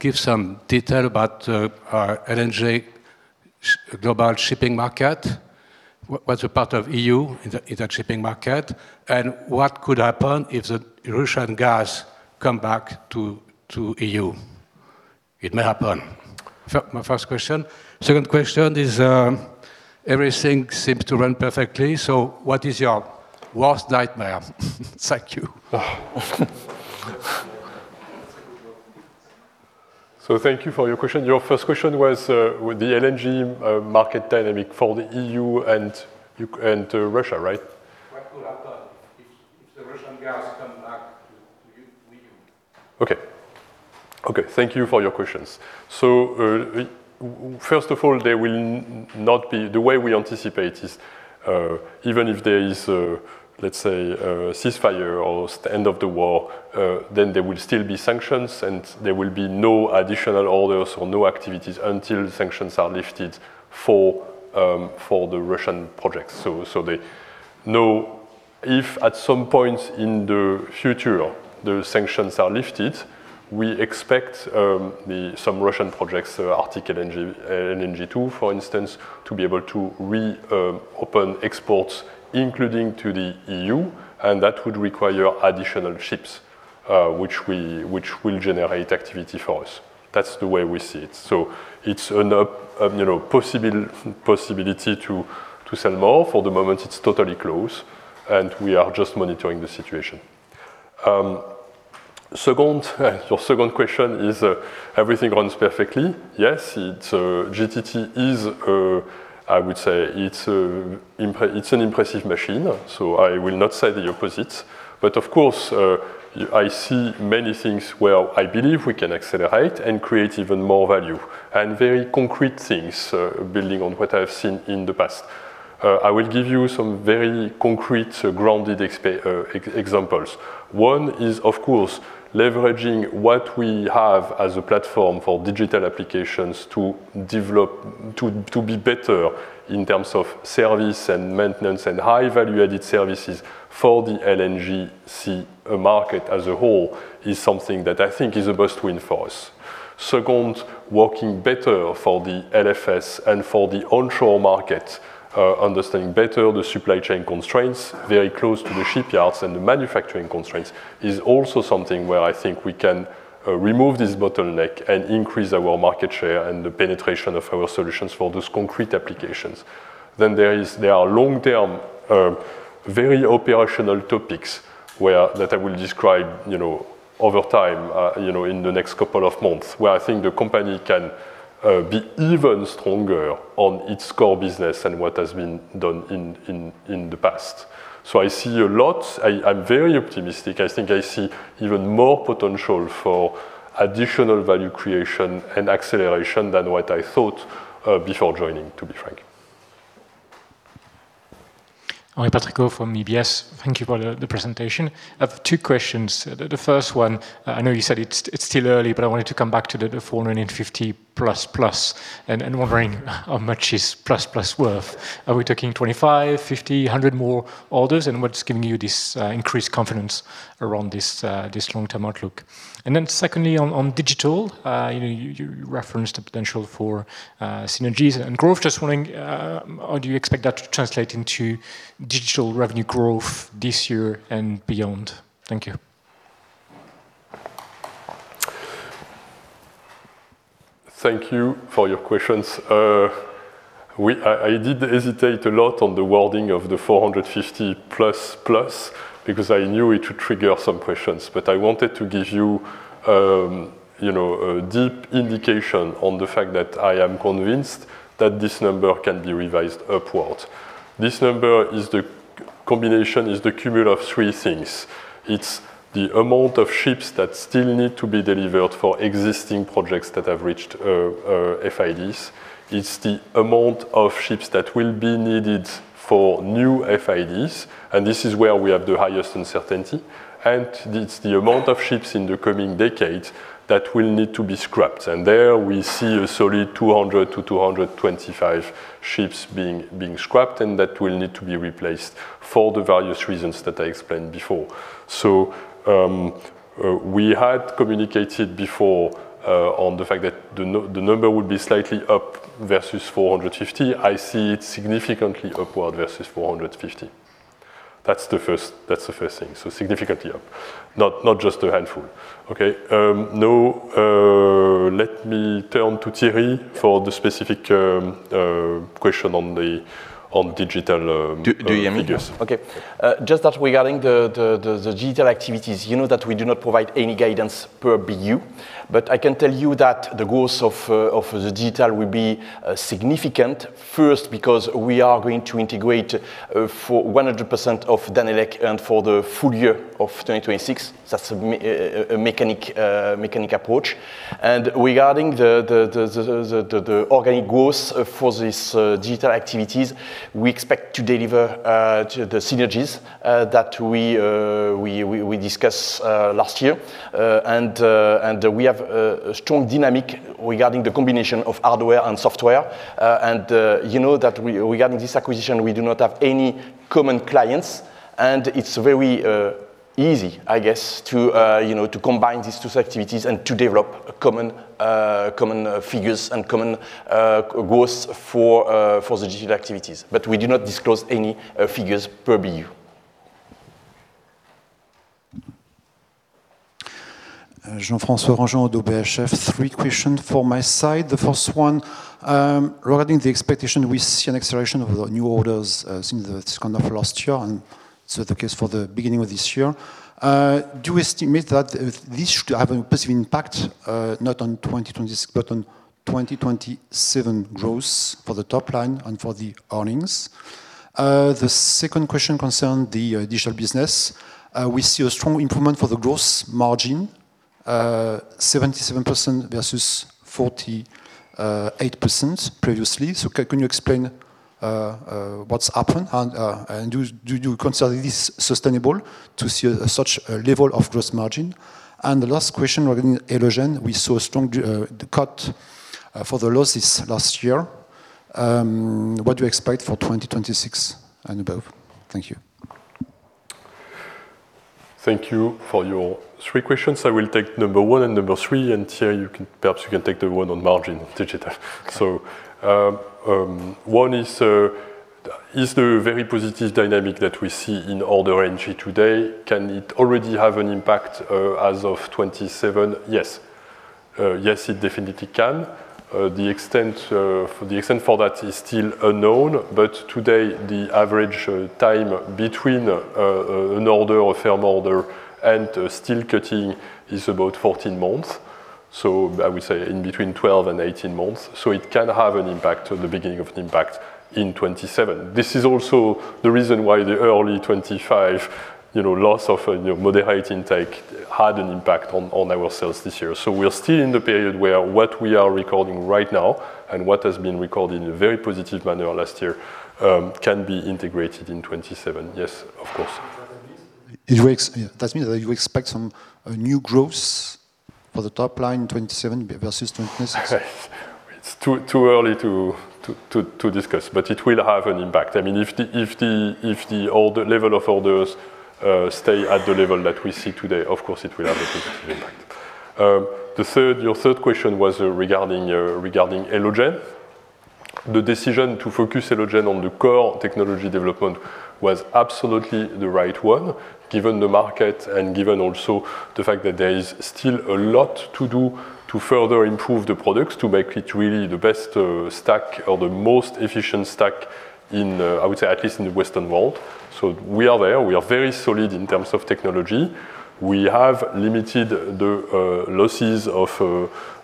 give some detail about our LNG global shipping market? What's the part of EU in that shipping market, and what could happen if the Russian gas come back to EU? It may happen. My first question. Second question is, everything seems to run perfectly, so what is your worst nightmare? Thank you. Oh. So thank you for your question. Your first question was, with the LNG market dynamic for the E.U. and U.K. and Russia, right? What could happen if the Russian gas come back to EU? Okay. Okay, thank you for your questions. So, first of all, there will not be... The way we anticipate is, even if there is a, let's say, a ceasefire or end of the war, then there will still be sanctions, and there will be no additional orders or no activities until sanctions are lifted for the Russian projects. So, they know if at some point in the future the sanctions are lifted, we expect then some Russian projects, Arctic LNG 2, for instance, to be able to reopen exports, including to the EU, and that would require additional ships, which will generate activity for us. That's the way we see it. So it's an opportunity, you know, possibility to sell more. For the moment, it's totally closed, and we are just monitoring the situation. Second, your second question is, everything runs perfectly. Yes, it's, GTT is a, I would say, it's an impressive machine, so I will not say the opposite. But of course, I see many things where I believe we can accelerate and create even more value, and very concrete things, building on what I've seen in the past. I will give you some very concrete, grounded examples. One is, of course, leveraging what we have as a platform for digital applications to develop, to, to be better in terms of service and maintenance and high-value added services for the LNG sea market as a whole, is something that I think is a boost win for us. Second, working better for the LFS and for the onshore market, understanding better the supply chain constraints, very close to the shipyards and the manufacturing constraints, is also something where I think we can remove this bottleneck and increase our market share and the penetration of our solutions for those concrete applications. Then there are long-term, very operational topics where, that I will describe, you know, over time, you know, in the next couple of months, where I think the company can be even stronger on its core business than what has been done in the past. So I see a lot. I'm very optimistic. I think I see even more potential for additional value creation and acceleration than what I thought before joining, to be frank. Henri Patricot from UBS. Thank you for the, the presentation. I have two questions. The, the first one, I know you said it's, it's still early, but I wanted to come back to the 450 plus, plus, and wondering how much is plus, plus worth. Are we talking 25, 50, 100 more orders, and what's giving you this increased confidence around this, this long-term outlook? Secondly, on digital, you know, you referenced the potential for synergies and growth. Just wondering, you know, how do you expect that to translate into digital revenue growth this year and beyond? Thank you. Thank you for your questions. I, I did hesitate a lot on the wording of the 450 plus, plus because I knew it would trigger some questions. But I wanted to give you, you know, a deep indication on the fact that I am convinced that this number can be revised upward. This number is the combination, is the cumulative of three things. It's the amount of ships that still need to be delivered for existing projects that have reached FIDs. It's the amount of ships that will be needed for new FIDs, and this is where we have the highest uncertainty, and it's the amount of ships in the coming decades that will need to be scrapped. We see a solid 200-225 ships being scrapped, and that will need to be replaced for the various reasons that I explained before. We had communicated before on the fact that the number would be slightly up versus 450. I see it significantly upward versus 450. That's the first thing. Significantly up, not just a handful. Now, let me turn to Thierry for the specific question on the digital— Do you mean me? Yes. Okay. Just that regarding the digital activities, you know that we do not provide any guidance per BU, but I can tell you that the growth of the digital will be significant. First, because we are going to integrate for 100% of Danelec and for the full year of 2026. That's a mechanical approach. And regarding the organic growth for this digital activities, we expect to deliver to the synergies that we discussed last year. And we have a strong dynamic regarding the combination of hardware and software. You know that we, regarding this acquisition, do not have any common clients, and it's very easy, I guess, to you know, to combine these two activities and to develop common figures and common growth for the digital activities. But we do not disclose any figures per BU. Jean-François Beausoleil of UBS. Three questions for my side. The first one, regarding the expectation, we see an acceleration of the new orders, since the second half of last year, and so the case for the beginning of this year. Do you estimate that this should have a positive impact, not on 2026, but on 2027 growth for the top line and for the earnings? The second question concerns the digital business. We see a strong improvement for the gross margin, 77% versus 48% previously. So can you explain what's happened, and do you consider this sustainable to see such a level of gross margin? And the last question, regarding Elogen, we saw a strong cut for the losses last year. What do you expect for 2026 and above? Thank you. Thank you for your three questions. I will take number one and number three, and Thierry, you can, perhaps you can take the one on margin digital. So, one is, is the very positive dynamic that we see in order entry today, can it already have an impact, as of 2027? Yes. Yes, it definitely can. The extent, the extent for that is still unknown, but today, the average, time between, an order or firm order and steel cutting is about 14 months. So I would say in between 12 and 18 months. So it can have an impact or the beginning of an impact in 2027. This is also the reason why the early 2025, you know, loss of, you know, moderate intake had an impact on, our sales this year. We are still in the period where what we are recording right now and what has been recorded in a very positive manner last year can be integrated in 2027. Yes, of course. That means that you expect some new growth for the top line in 2027 versus 2026? It's too, too early to discuss, but it will have an impact. I mean, if the order level of orders stay at the level that we see today, of course, it will have a positive impact. I mean, the third, your third question was regarding Elogen. The decision to focus Elogen on the core technology development was absolutely the right one, given the market and given also the fact that there is still a lot to do to further improve the products, to make it really the best stack or the most efficient stack in, I would say, at least in the Western world. We are there. We are very solid in terms of technology. We have limited the losses of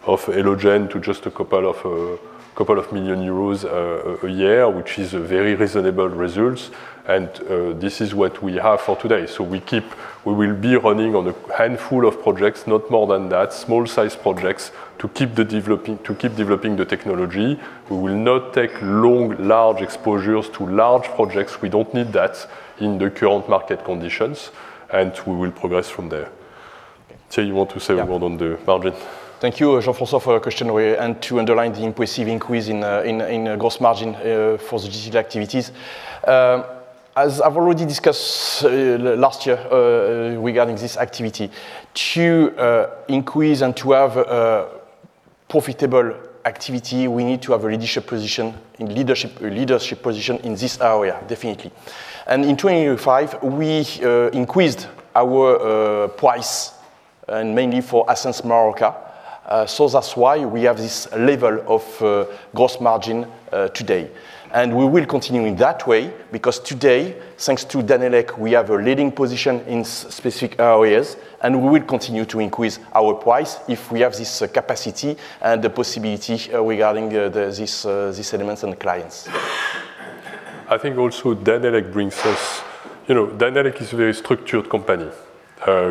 Elogen to just a couple of couple of million EUR a year, which is a very reasonable results, and this is what we have for today. So we will be running on a handful of projects, not more than that, small-sized projects, to keep the developing, to keep developing the technology. We will not take long, large exposures to large projects. We don't need that in the current market conditions, and we will progress from there. Thierry, you want to say a word on the margin? Thank you, Jean-François, for your question, and to underline the impressive increase in gross margin for the digital activities. As I've already discussed, last year, regarding this activity, to increase and to have profitable activity, we need to have a leadership position, in leadership, a leadership position in this area, definitely. And in 2025, we increased our price, and mainly for Ascenz Marorka. So that's why we have this level of gross margin today. And we will continue in that way, because today, thanks to Danelec, we have a leading position in specific areas, and we will continue to increase our price if we have this capacity and the possibility regarding these elements and clients. I think also Danelec brings us... You know, Danelec is a very structured company,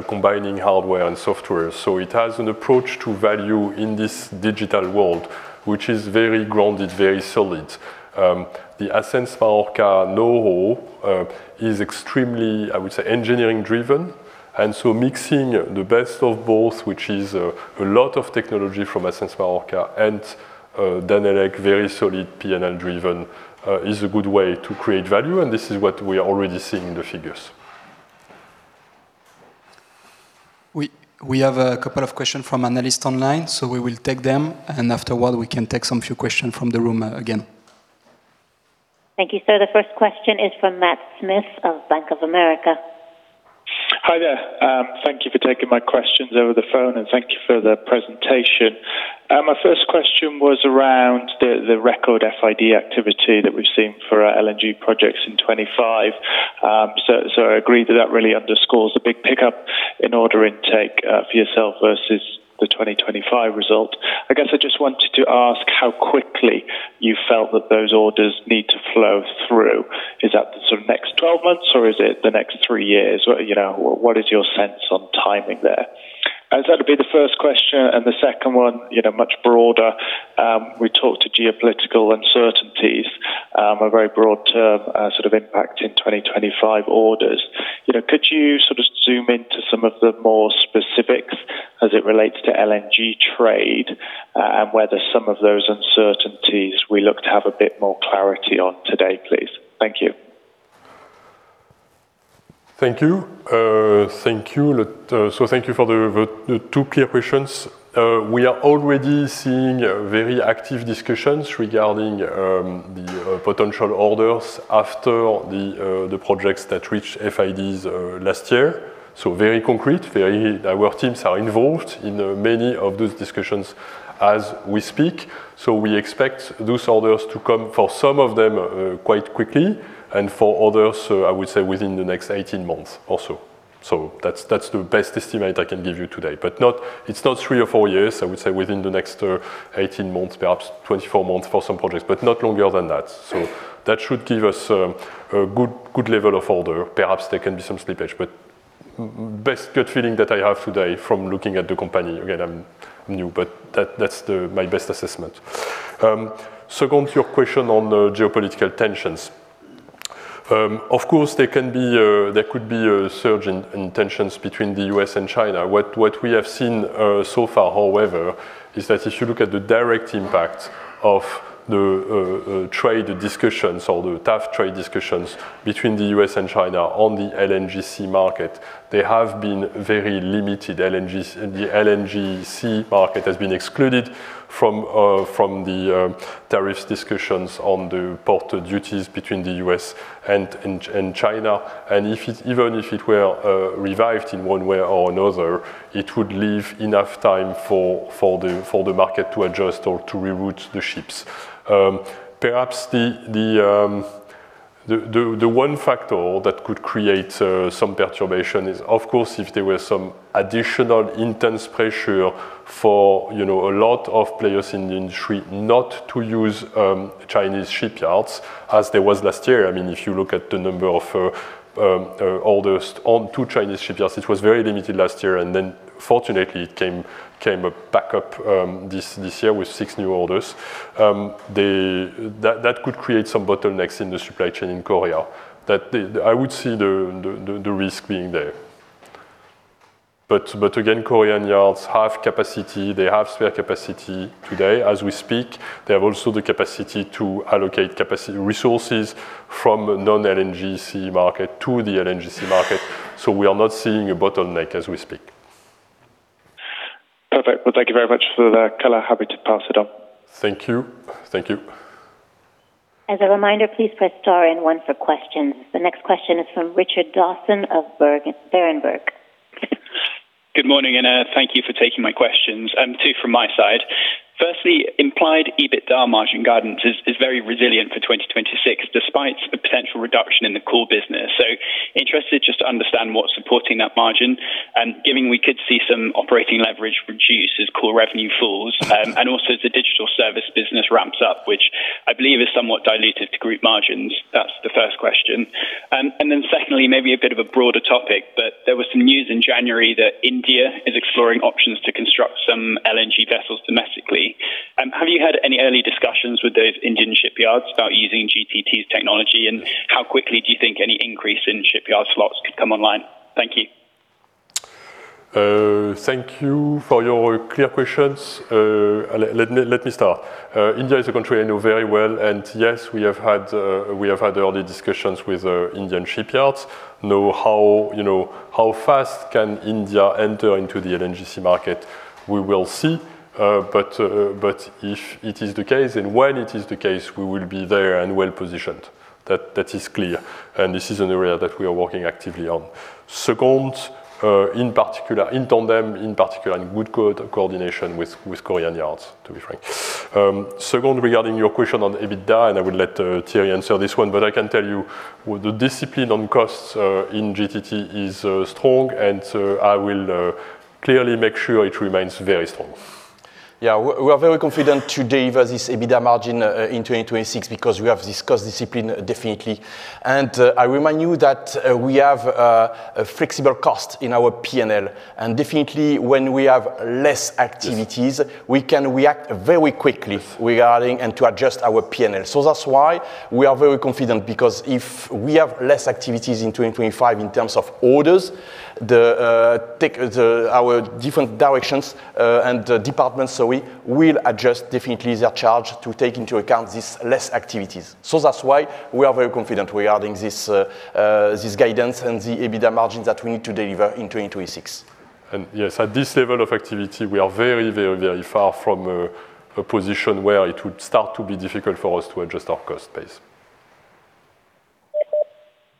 combining hardware and software. It has an approach to value in this digital world, which is very grounded, very solid. The Ascenz Marorka know-how is extremely, I would say, engineering-driven. Mixing the best of both, which is a lot of technology from Ascenz Marorka and Danelec, very solid P&L-driven, is a good way to create value, and this is what we are already seeing in the figures. ... We have a couple of questions from analysts online, so we will take them, and afterward, we can take some few questions from the room, again. Thank you, sir. The first question is from Matt Smith of Bank of America. Hi there. Thank you for taking my questions over the phone, and thank you for the presentation. My first question was around the record FID activity that we've seen for our LNG projects in 2025. I agree that that really underscores a big pickup in order intake for yourself versus the 2025 result. I guess I just wanted to ask how quickly you felt that those orders need to flow through. Is that the sort of next 12 months, or is it the next three years? You know, what is your sense on timing there? That would be the first question, and the second one, you know, much broader. We talked to geopolitical uncertainties, a very broad term, sort of impact in 2025 orders. You know, could you sort of zoom into some of the more specifics as it relates to LNG trade, and whether some of those uncertainties we look to have a bit more clarity on today, please? Thank you. Thank you. Thank you for the two clear questions. We are already seeing very active discussions regarding the potential orders after the projects that reached FIDs last year. Very concrete, very... Our teams are involved in many of those discussions as we speak. We expect those orders to come, for some of them, quite quickly, and for others, I would say within the next 18 months also. That's the best estimate I can give you today. It's not three or four years; I would say within the next 18 months, perhaps 24 months for some projects, but not longer than that. That should give us a good, good level of order. Perhaps there can be some slippage, but best gut feeling that I have today from looking at the company. Again, I'm new, but that, that's my best assessment. Second, your question on the geopolitical tensions. Of course, there can be a, there could be a surge in tensions between the U.S. and China. What we have seen so far, however, is that if you look at the direct impact of the trade discussions or the tough trade discussions between the U.S. and China on the LNGC market, they have been very limited. The LNGC market has been excluded from the tariffs discussions on the port duties between the U.S. and China. And if it... Even if it were revived in one way or another, it would leave enough time for the market to adjust or to reroute the ships. Perhaps the one factor that could create some perturbation is, of course, if there were some additional intense pressure for, you know, a lot of players in the industry not to use Chinese shipyards as there was last year. I mean, if you look at the number of orders on two Chinese shipyards, it was very limited last year, and then fortunately it came back up this year with six new orders. That could create some bottlenecks in the supply chain in Korea. I would see the risk being there. Again, Korean yards have capacity. They have spare capacity today as we speak. They have also the capacity to allocate capacity resources from non-LNGC market to the LNGC market, so we are not seeing a bottleneck as we speak. Perfect. Well, thank you very much for that color. Happy to pass it on. Thank you. Thank you. As a reminder, please press star and one for questions. The next question is from Richard Dawson of Berenberg. Good morning, and thank you for taking my questions, two from my side. Firstly, implied EBITDA margin guidance is very resilient for 2026, despite a potential reduction in the core business. Interested just to understand what's supporting that margin, giving we could see some operating leverage reduce as core revenue falls, and also as the digital service business ramps up, which I believe is somewhat diluted to group margins. That's the first question. Secondly, maybe a bit of a broader topic, but there was some news in January that India is exploring options to construct some LNG vessels domestically. Have you had any early discussions with those Indian shipyards about using GTT's technology? How quickly do you think any increase in shipyard slots could come online? Thank you. Thank you for your clear questions. Let me start. India is a country I know very well, and yes, we have had early discussions with Indian shipyards. Know how, you know, how fast can India enter into the LNGC market? We will see. But if it is the case and when it is the case, we will be there and well-positioned. That is clear, and this is an area that we are working actively on. Second, in particular, in tandem, in particular, in good code coordination with Korean yards, to be frank. Second, regarding your question on EBITDA, and I will let Thierry answer this one, but I can tell you the discipline on costs in GTT is strong, and I will clearly make sure it remains very strong. Yeah, we are very confident to deliver this EBITDA margin in 2026 because we have this cost discipline, definitely. I remind you that we have a flexible cost in our P&L, and definitely when we have less activities- Yes... we can react very quickly regarding and to adjust our P&L. So that's why we are very confident, because if we have less activities in 2025 in terms of orders, our different directions and departments, so we will adjust definitely their charge to take into account these less activities. So that's why we are very confident regarding this, this guidance and the EBITDA margins that we need to deliver in 2026. Yes, at this level of activity, we are very, very, very far from a position where it would start to be difficult for us to adjust our cost base....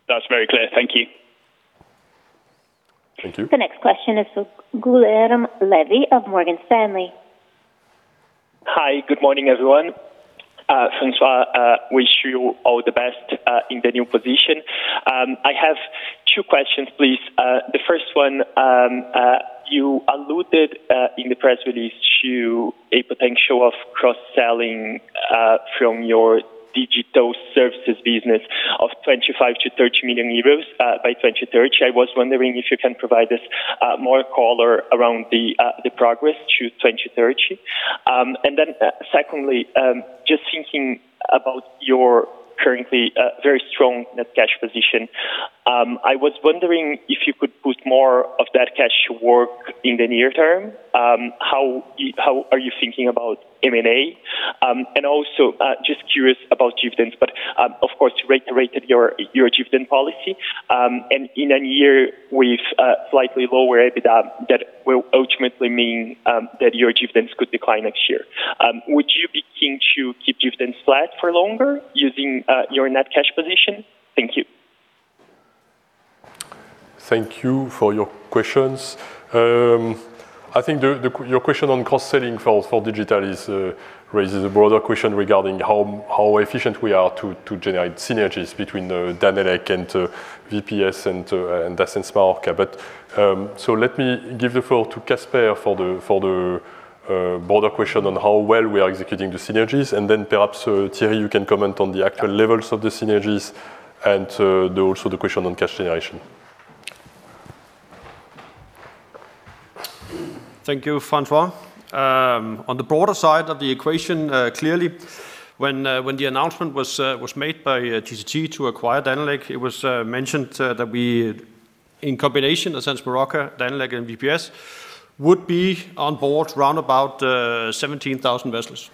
That's very clear. Thank you. Thank you. The next question is from Guilherme Levy of Morgan Stanley. Hi, good morning, everyone. François, wish you all the best in the new position. I have two questions, please. The first one, you alluded in the press release to a potential of cross-selling from your digital services business of 25 million-30 million euros by 2030. I was wondering if you can provide us more color around the progress to 2030. And then, secondly, just thinking about your currently very strong net cash position, I was wondering if you could put more of that cash to work in the near term. How are you thinking about M&A? And also, just curious about dividends, but, of course, you reiterated your dividend policy, and in a year with slightly lower EBITDA, that will ultimately mean that your dividends could decline next year. Would you be keen to keep dividends flat for longer using your net cash position? Thank you. Thank you for your questions. I think your question on cross-selling for digital raises a broader question regarding how efficient we are to generate synergies between Danelec, VPS, and Ascenz Marorka. Let me give the floor to Casper for the broader question on how well we are executing the synergies, and then perhaps Thierry, you can comment on the actual levels of the synergies and also the question on cash generation. Thank you, François. On the broader side of the equation, clearly, when the announcement was made by GTT to acquire Danelec, it was mentioned that we, in combination, Ascenz Marorka, Danelec, and VPS, would be on board round about 17,000 vessels.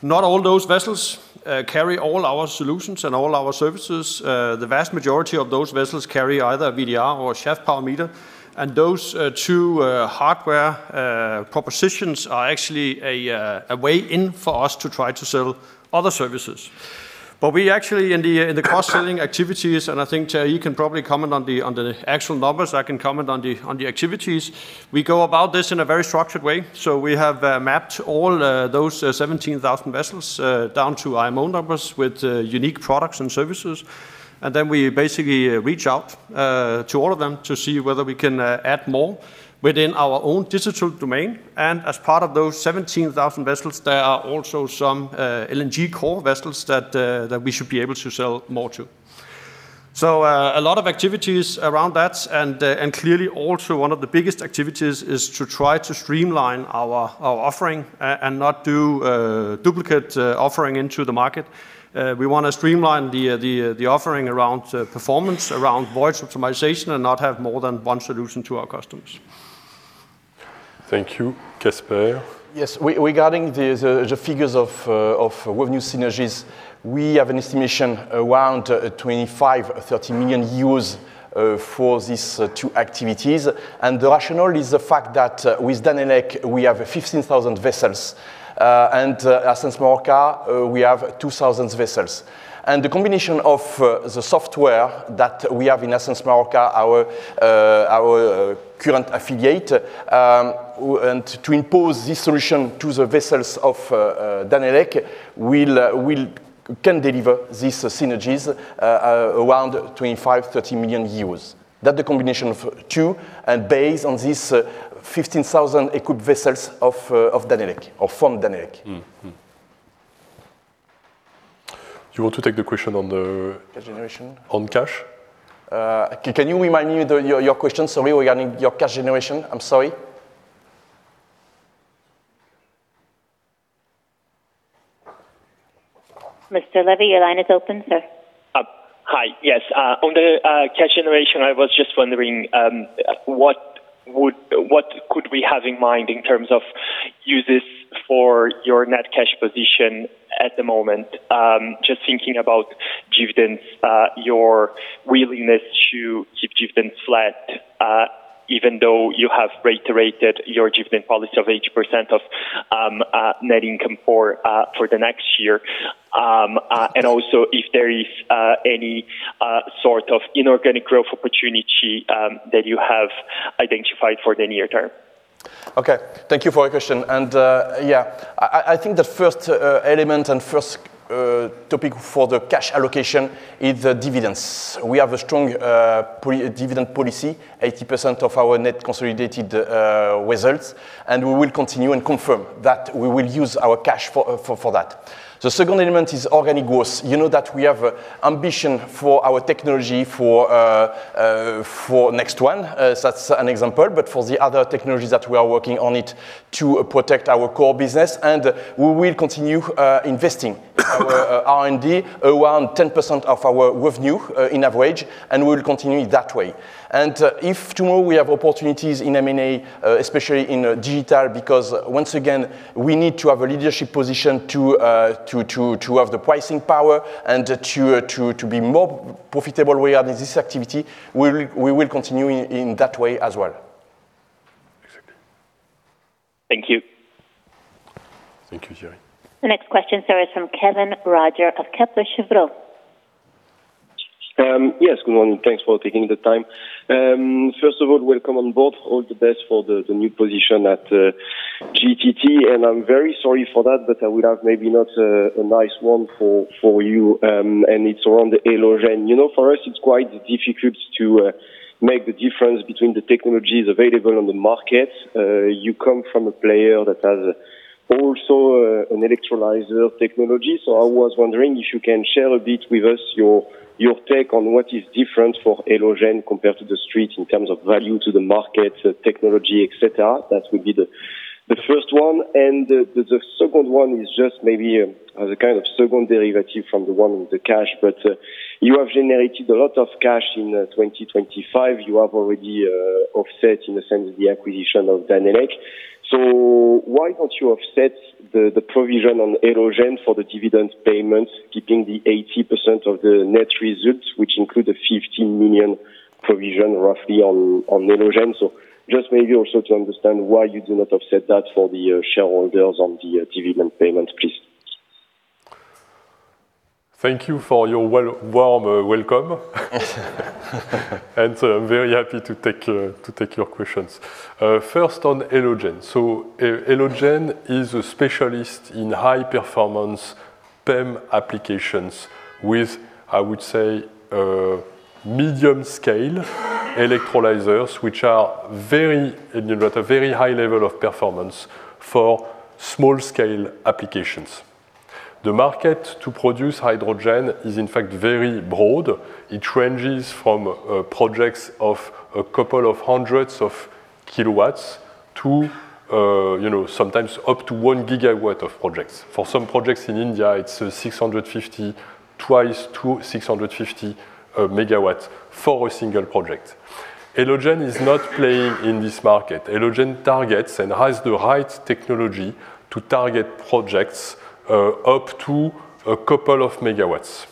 Not all those vessels carry all our solutions and all our services. The vast majority of those vessels carry either a VDR or a shaft power meter, and those two hardware propositions are actually a way in for us to try to sell other services. In the cross-selling activities, and I think, Thierry, you can probably comment on the actual numbers, I can comment on the activities. We go about this in a very structured way. We have mapped all those 17,000 vessels down to IMO numbers with unique products and services, and then we basically reach out to all of them to see whether we can add more within our own digital domain. As part of those 17,000 vessels, there are also some LNG core vessels that we should be able to sell more to. A lot of activities around that, and clearly also one of the biggest activities is to try to streamline our offering and not do duplicate offering into the market. We want to streamline the offering around performance, around voyage optimization, and not have more than one solution to our customers. Thank you. Yes Thierry? Yes, regarding the figures of revenue synergies, we have an estimation around 25-30 million euros for these two activities. The rationale is the fact that with Danelec, we have 15,000 vessels, and Ascenz Marorka, we have 2,000 vessels. The combination of the software that we have in Ascenz Marorka, our current affiliate, and to impose this solution to the vessels of Danelec, will can deliver these synergies around 25-30 million euros. That the combination of two and based on this 15,000 equipped vessels of Danelec, or from Danelec. Mm-hmm. You want to take the question on the- Cash generation? -on cash? Can you remind me the, your, your question, sorry, regarding your cash generation? I'm sorry. Mr. Levy, your line is open, sir. Hi. Yes, on the cash generation, I was just wondering, what would... what could we have in mind in terms of uses for your net cash position at the moment? Just thinking about dividends, your willingness to keep dividends flat, even though you have reiterated your dividend policy of 80% of net income for the next year. And also if there is any sort of inorganic growth opportunity that you have identified for the near term. Okay. Thank you for your question. Yeah, I think the first element and first topic for the cash allocation is dividends. We have a strong dividend policy, 80% of our net consolidated results, and we will continue and confirm that we will use our cash for that. The second element is organic growth. You know that we have ambition for our technology for NEXT1, that's an example, but for the other technologies that we are working on it to protect our core business, and we will continue investing our R&D around 10% of our revenue, in average, and we will continue that way. If tomorrow we have opportunities in M&A, especially in digital, because once again, we need to have a leadership position to have the pricing power and to be more profitable we are in this activity, we will continue in that way as well. Thank you. Thank you, Thierry. The next question, sir, is from Kevin Roger of Kepler Cheuvreux. Yes, good morning. Thanks for taking the time. First of all, welcome on board. All the best for the new position at GTT, and I'm very sorry for that, but I would have maybe not a nice one for you, and it's around the Elogen. You know, for us, it's quite difficult to make the difference between the technologies available on the market. You come from a player that has also an electrolyzer technology. So I was wondering if you can share a bit with us your take on what is different for Elogen compared to the street in terms of value to the market, technology, et cetera. That would be the first one, and the second one is just maybe as a kind of second derivative from the one with the cash. But, you have generated a lot of cash in 2025. You have already offset, in a sense, the acquisition of Danelec. So why don't you offset the provision on Elogen for the dividend payments, keeping the 80% of the net results, which include a 15 million provision roughly on Elogen? So just maybe also to understand why you do not offset that for the shareholders on the dividend payment, please. Thank you for your warm welcome. I'm very happy to take your questions. First on Elogen. Elogen is a specialist in high-performance PEM applications with, I would say, medium scale electrolyzers, which are at a very high level of performance for small scale applications. The market to produce hydrogen is, in fact, very broad. It ranges from projects of a couple of hundreds of kilowatts to, you know, sometimes up to 1 gigawatt of projects. For some projects in India, it's 650, twice to 650 megawatts for a single project. Elogen is not playing in this market. Elogen targets and has the right technology to target projects up to a couple of megawatts,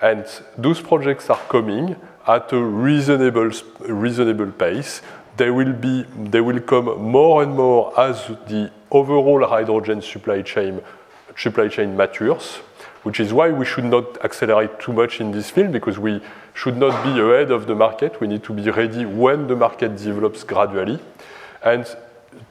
and those projects are coming at a reasonable, reasonable pace. They will come more and more as the overall hydrogen supply chain matures, which is why we should not accelerate too much in this field, because we should not be ahead of the market. We need to be ready when the market develops gradually. And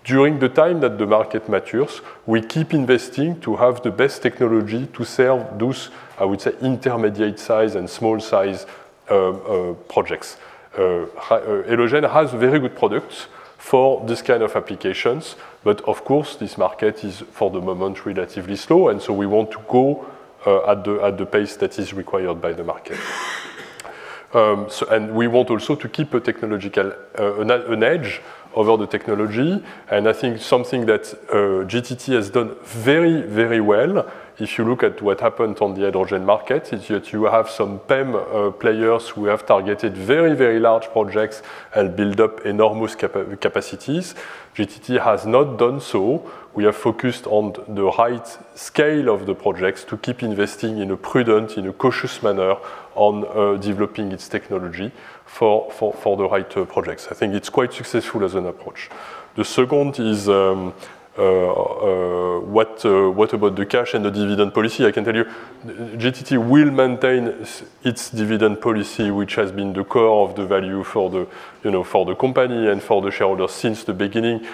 during the time that the market matures, we keep investing to have the best technology to serve those, I would say, intermediate size and small size projects. Elogen has very good products for this kind of applications, but of course, this market is, for the moment, relatively slow, and so we want to go at the pace that is required by the market. We want also to keep a technological, an edge over the technology, and I think something that GTT has done very, very well, if you look at what happened on the hydrogen market, is that you have some PEM players who have targeted very, very large projects and build up enormous capacities. GTT has not done so. We are focused on the right scale of the projects to keep investing in a prudent, in a cautious manner on developing its technology for the right projects. I think it's quite successful as an approach. The second is, what about the cash and the dividend policy? I can tell you, GTT will maintain its dividend policy, which has been the core of the value for the, you know, for the company and for the shareholders since the beginning.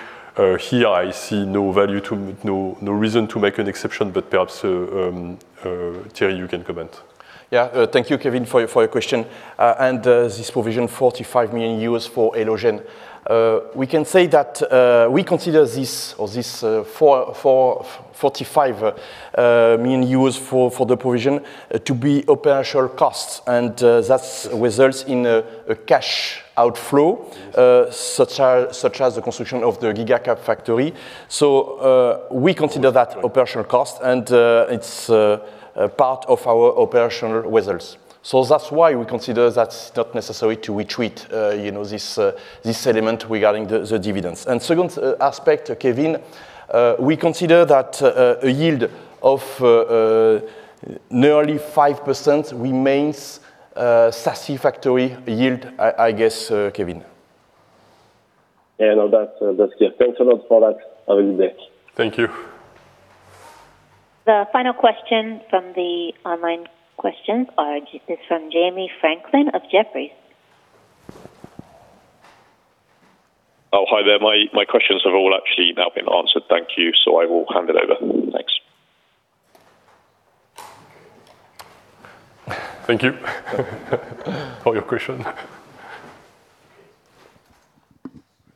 Here I see no value to, no, no reason to make an exception, but perhaps, Thierry, you can comment. Yeah. Thank you, Kevin, for your question. And this provision, 45 million euros for Elogen. We can say that we consider this 45 million euros for the provision to be operational costs, and that's results in a cash outflow, such as the construction of the GigaCap factory. So we consider that operational cost, and it's a part of our operational results. So that's why we consider that's not necessary to retreat, you know, this element regarding the dividends. And second aspect, Kevin, we consider that a yield of nearly 5% remains a satisfactory yield, I guess, Kevin. Yeah, no, that's, that's clear. Thanks a lot for that. Have a good day. Thank you. The final question from the online questions is from Jamie Franklin of Jefferies. Oh, hi there. My, my questions have all actually now been answered. Thank you. So I will hand it over. Thanks. Thank you for your question.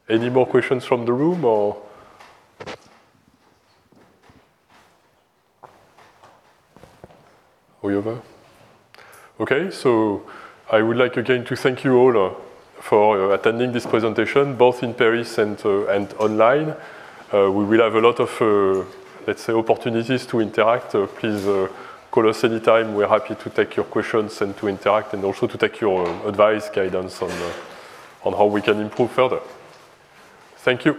Any more questions from the room or... We over? Okay, so I would like again to thank you all for attending this presentation, both in Paris and online. We will have a lot of, let's say, opportunities to interact. Please call us anytime. We're happy to take your questions and to interact, and also to take your advice, guidance on how we can improve further. Thank you.